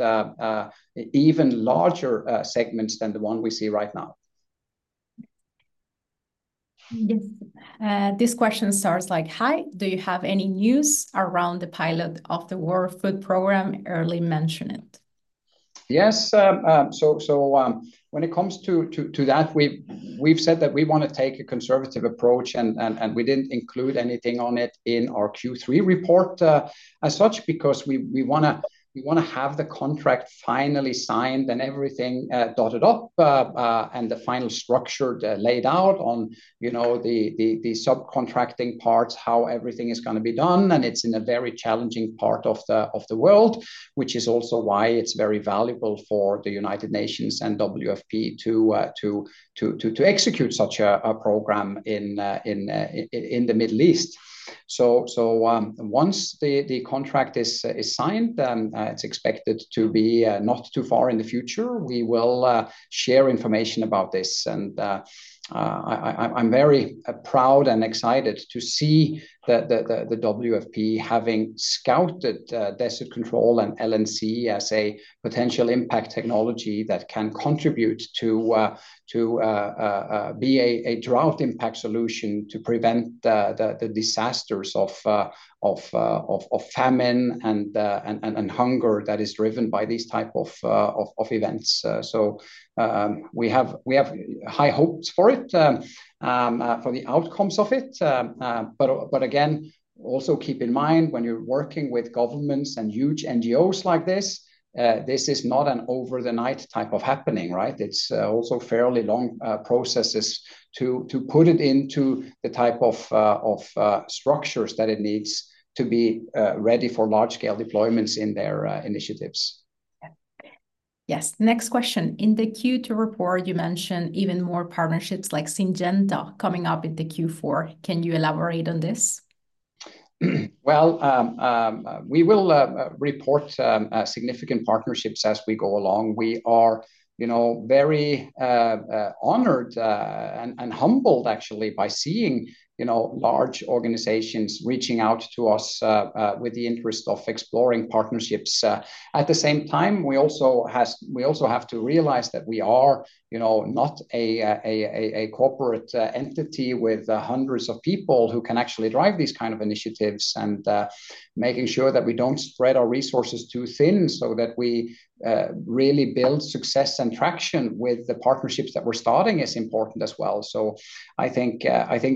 even larger segments than the one we see right now. This question starts like, "Hi, do you have any news around the pilot of the World Food Programme early mention it?" Yes. So when it comes to that, we've said that we want to take a conservative approach, and we didn't include anything on it in our Q3 report as such because we want to have the contract finally signed and everything dotted up and the final structure laid out on the subcontracting parts, how everything is going to be done, and it's in a very challenging part of the world, which is also why it's very valuable for the United Nations and WFP to execute such a program in the Middle East, so once the contract is signed, it's expected to be not too far in the future. We will share information about this. I'm very proud and excited to see the WFP having scouted Desert Control and LNC as a potential impact technology that can contribute to be a drought impact solution to prevent the disasters of famine and hunger that is driven by these types of events. We have high hopes for it, for the outcomes of it. Again, also keep in mind when you're working with governments and huge NGOs like this, this is not an overnight type of happening, right? It's also fairly long processes to put it into the type of structures that it needs to be ready for large-scale deployments in their initiatives. Yes. Next question. In the Q2 report, you mentioned even more partnerships like Syngenta coming up in the Q4. Can you elaborate on this? We will report significant partnerships as we go along. We are very honored and humbled, actually, by seeing large organizations reaching out to us with the interest of exploring partnerships. At the same time, we also have to realize that we are not a corporate entity with hundreds of people who can actually drive these kinds of initiatives and making sure that we don't spread our resources too thin so that we really build success and traction with the partnerships that we're starting is important as well. So I think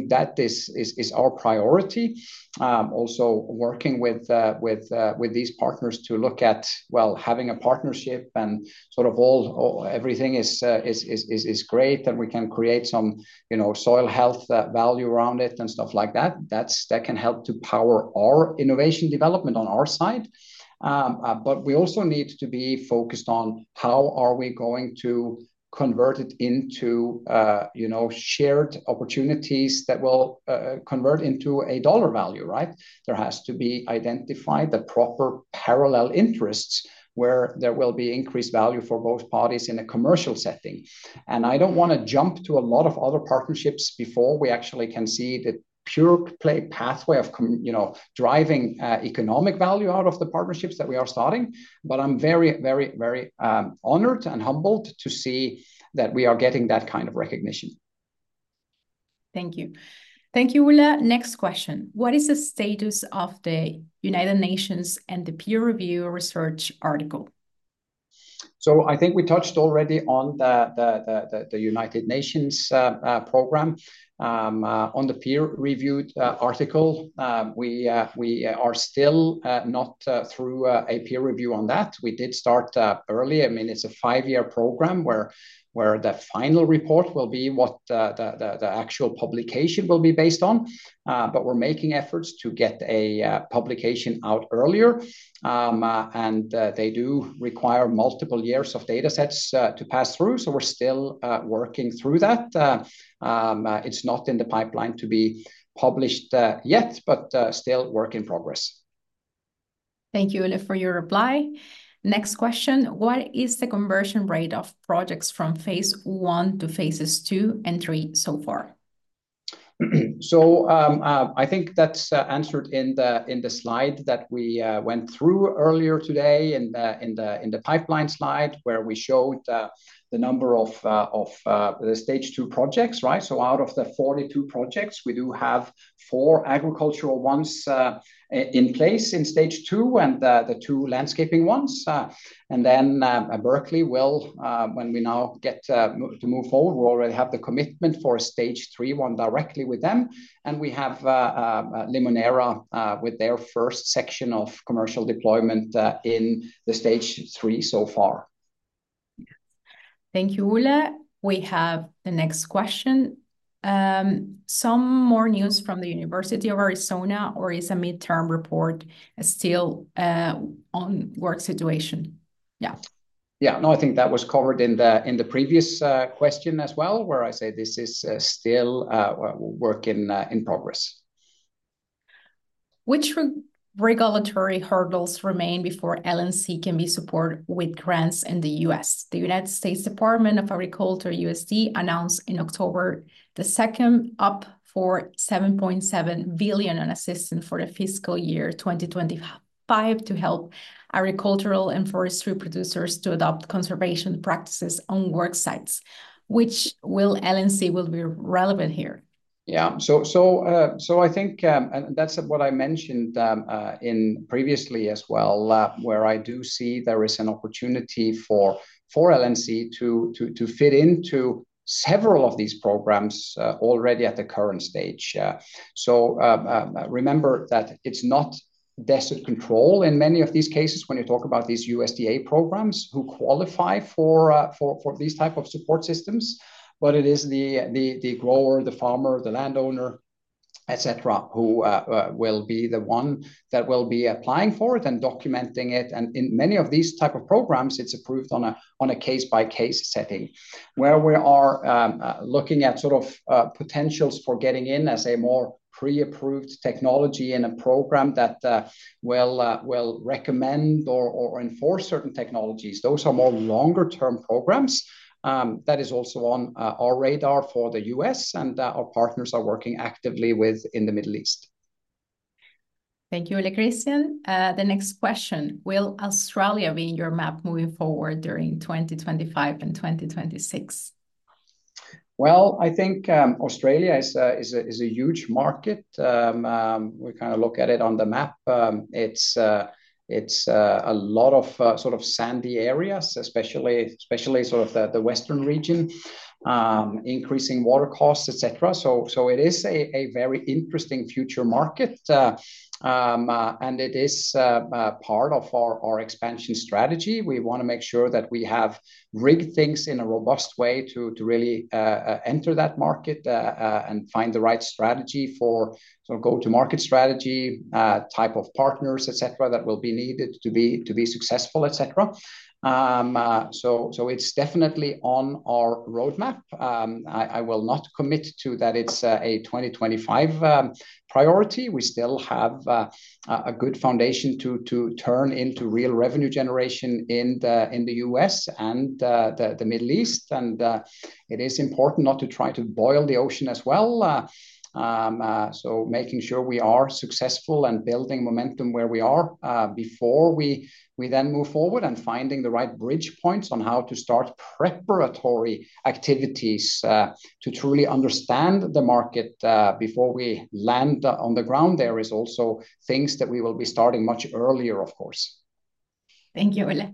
that is our priority. Also working with these partners to look at, well, having a partnership and sort of everything is great and we can create some soil health value around it and stuff like that, that can help to power our innovation development on our side. But we also need to be focused on how are we going to convert it into shared opportunities that will convert into a dollar value, right? There has to be identified the proper parallel interests where there will be increased value for both parties in a commercial setting. And I don't want to jump to a lot of other partnerships before we actually can see the pure play pathway of driving economic value out of the partnerships that we are starting. But I'm very, very, very honored and humbled to see that we are getting that kind of recognition. Thank you. Thank you, Ole. Next question. What is the status of the United Nations and the peer-reviewed research article? So I think we touched already on the United Nations program. On the peer-reviewed article, we are still not through a peer review on that. We did start early. I mean, it's a five-year program where the final report will be what the actual publication will be based on, but we're making efforts to get a publication out earlier, and they do require multiple years of data sets to pass through, so we're still working through that. It's not in the pipeline to be published yet, but still work in progress. Thank you, Ole, for your reply. Next question. What is the conversion rate of projects from phase one to phases two and three so far? I think that's answered in the slide that we went through earlier today in the pipeline slide where we showed the number of stage two projects, right? So out of the 42 projects, we do have four agricultural ones in place in stage two and the two landscaping ones. Then Berkeley, well, when we now get to move forward, we already have the commitment for a stage three one directly with them. And we have Limoneira with their first section of commercial deployment in the stage three so far. Thank you, Ole. We have the next question. Some more news from the University of Arizona or is a midterm report still on work situation? Yeah. Yeah. No, I think that was covered in the previous question as well, where I say this is still work in progress. Which regulatory hurdles remain before LNC can be supported with grants in the US? The United States Department of Agriculture, USDA, announced in October the second up for $7.7 billion in assistance for the fiscal year 2025 to help agricultural and forestry producers to adopt conservation practices on work sites. Which will LNC will be relevant here? Yeah. I think, and that's what I mentioned previously as well, where I do see there is an opportunity for LNC to fit into several of these programs already at the current stage. Remember that it's not Desert Control in many of these cases when you talk about these USDA programs who qualify for these types of support systems. But it is the grower, the farmer, the landowner, etc., who will be the one that will be applying for it and documenting it. And in many of these types of programs, it's approved on a case-by-case setting where we are looking at sort of potentials for getting in as a more pre-approved technology in a program that will recommend or enforce certain technologies. Those are more longer-term programs. That is also on our radar for the U.S., and our partners are working actively within the Middle East. Thank you, Ole Kristian. The next question. Will Australia be in your map moving forward during 2025 and 2026? Well, I think Australia is a huge market. We kind of look at it on the map. It's a lot of sort of sandy areas, especially sort of the western region, increasing water costs, etc. So it is a very interesting future market. And it is part of our expansion strategy. We want to make sure that we have rigged things in a robust way to really enter that market and find the right strategy for sort of go-to-market strategy type of partners, etc., that will be needed to be successful, etc. So it's definitely on our roadmap. I will not commit to that it's a 2025 priority. We still have a good foundation to turn into real revenue generation in the U.S. and the Middle East. It is important not to try to boil the ocean as well. Making sure we are successful and building momentum where we are before we then move forward and finding the right bridge points on how to start preparatory activities to truly understand the market before we land on the ground. There are also things that we will be starting much earlier, of course. Thank you, Ole.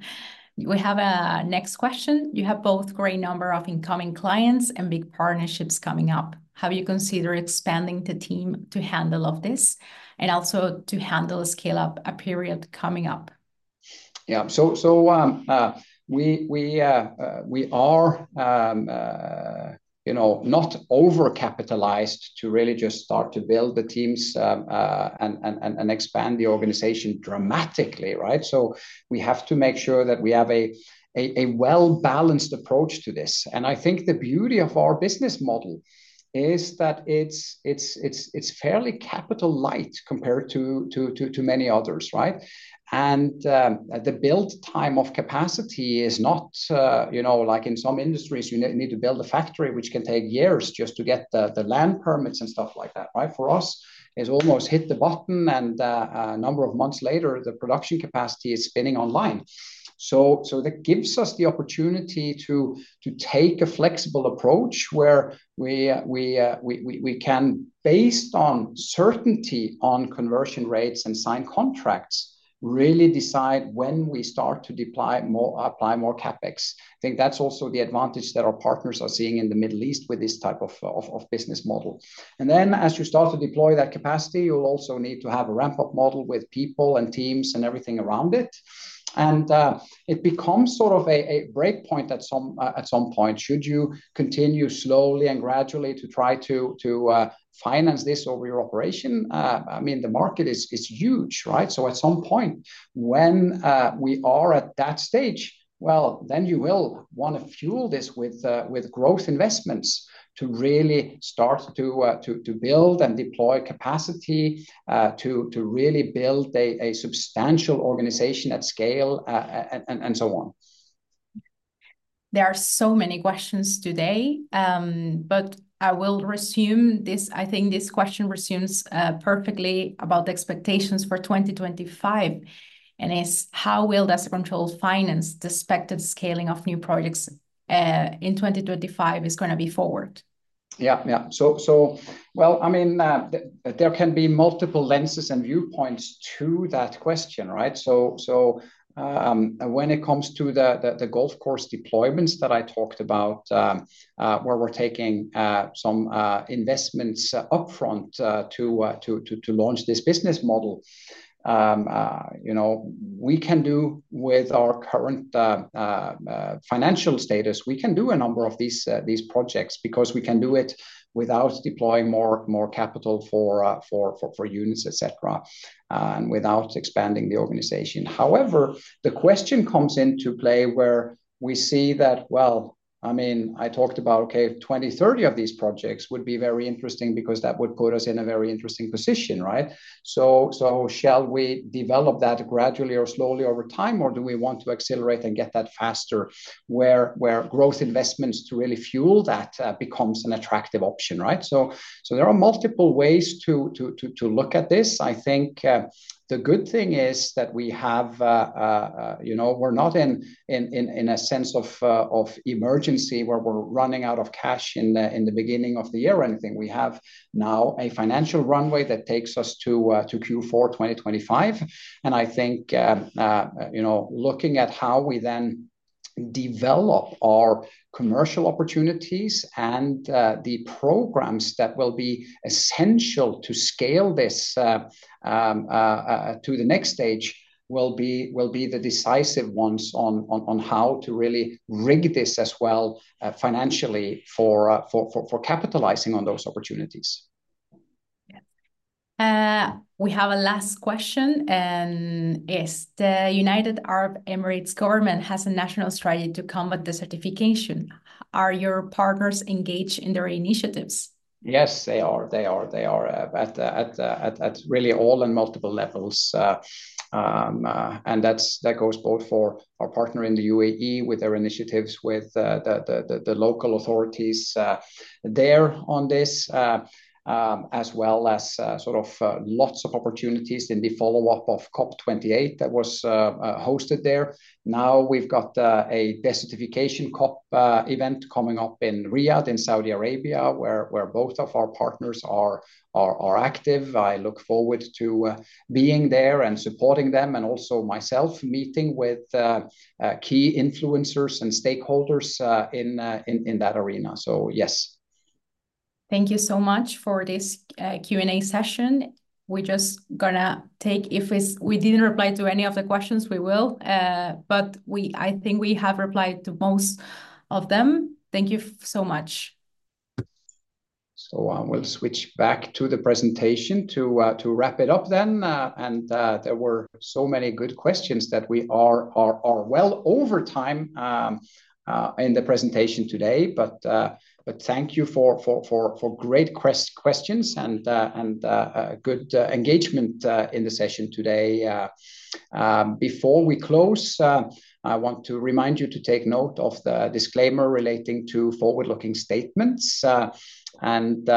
We have a next question. You have both great number of incoming clients and big partnerships coming up. Have you considered expanding the team to handle all of this and also to handle a scale-up period coming up? Yeah. We are not over-capitalized to really just start to build the teams and expand the organization dramatically, right? We have to make sure that we have a well-balanced approach to this. I think the beauty of our business model is that it's fairly capital-light compared to many others, right? The build time of capacity is not like in some industries, you need to build a factory, which can take years just to get the land permits and stuff like that, right? For us, it's almost hit the button and a number of months later, the production capacity is spinning online. That gives us the opportunity to take a flexible approach where we can, based on certainty on conversion rates and signed contracts, really decide when we start to apply more CapEx. I think that's also the advantage that our partners are seeing in the Middle East with this type of business model. Then as you start to deploy that capacity, you'll also need to have a ramp-up model with people and teams and everything around it. It becomes sort of a breakpoint at some point. Should you continue slowly and gradually to try to finance this over your operation? I mean, the market is huge, right? So at some point, when we are at that stage, well, then you will want to fuel this with growth investments to really start to build and deploy capacity to really build a substantial organization at scale and so on. There are so many questions today, but I will resume this. I think this question sums up perfectly about the expectations for 2025. It's, how will Desert Control finance the expected scaling of new projects in 2025 going forward? Well, I mean, there can be multiple lenses and viewpoints to that question, right? So when it comes to the golf course deployments that I talked about, where we're taking some investments upfront to launch this business model, we can do with our current financial status, we can do a number of these projects because we can do it without deploying more capital for units, etc., and without expanding the organization. However, the question comes into play where we see that, well, I mean, I talked about, okay, 20-30 of these projects would be very interesting because that would put us in a very interesting position, right? So shall we develop that gradually or slowly over time, or do we want to accelerate and get that faster where growth investments to really fuel that becomes an attractive option, right? So there are multiple ways to look at this. I think the good thing is that we have, we're not in a sense of emergency where we're running out of cash in the beginning of the year or anything. We have now a financial runway that takes us to Q4 2025. And I think looking at how we then develop our commercial opportunities and the programs that will be essential to scale this to the next stage will be the decisive ones on how to really rig this as well financially for capitalizing on those opportunities. We have a last question. The United Arab Emirates government has a national strategy to combat desertification. Are your partners engaged in their initiatives? Yes, they are. They are at really all and multiple levels. And that goes both for our partner in the UAE with their initiatives with the local authorities there on this, as well as sort of lots of opportunities in the follow-up of COP28 that was hosted there. Now we've got a desertification COP event coming up in Riyadh in Saudi Arabia where both of our partners are active. I look forward to being there and supporting them and also myself meeting with key influencers and stakeholders in that arena. So yes. Thank you so much for this Q&A session. We're just going to take if we didn't reply to any of the questions, we will. But I think we have replied to most of them. Thank you so much. So I will switch back to the presentation to wrap it up then. And there were so many good questions that we are well over time in the presentation today. Thank you for great questions and good engagement in the session today. Before we close, I want to remind you to take note of the disclaimer relating to forward-looking statements. Close it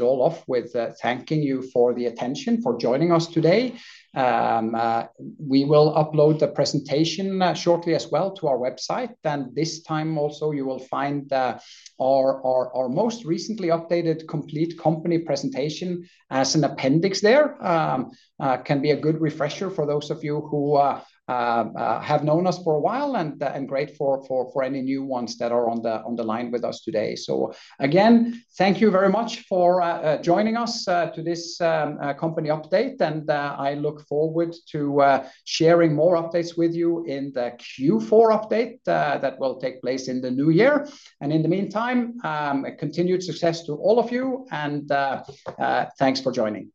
all off with thanking you for the attention, for joining us today. We will upload the presentation shortly as well to our website. This time also, you will find our most recently updated complete company presentation as an appendix there. Can be a good refresher for those of you who have known us for a while and great for any new ones that are on the line with us today. Again, thank you very much for joining us to this company update. I look forward to sharing more updates with you in the Q4 update that will take place in the new year. In the meantime, continued success to all of you. Thanks for joining.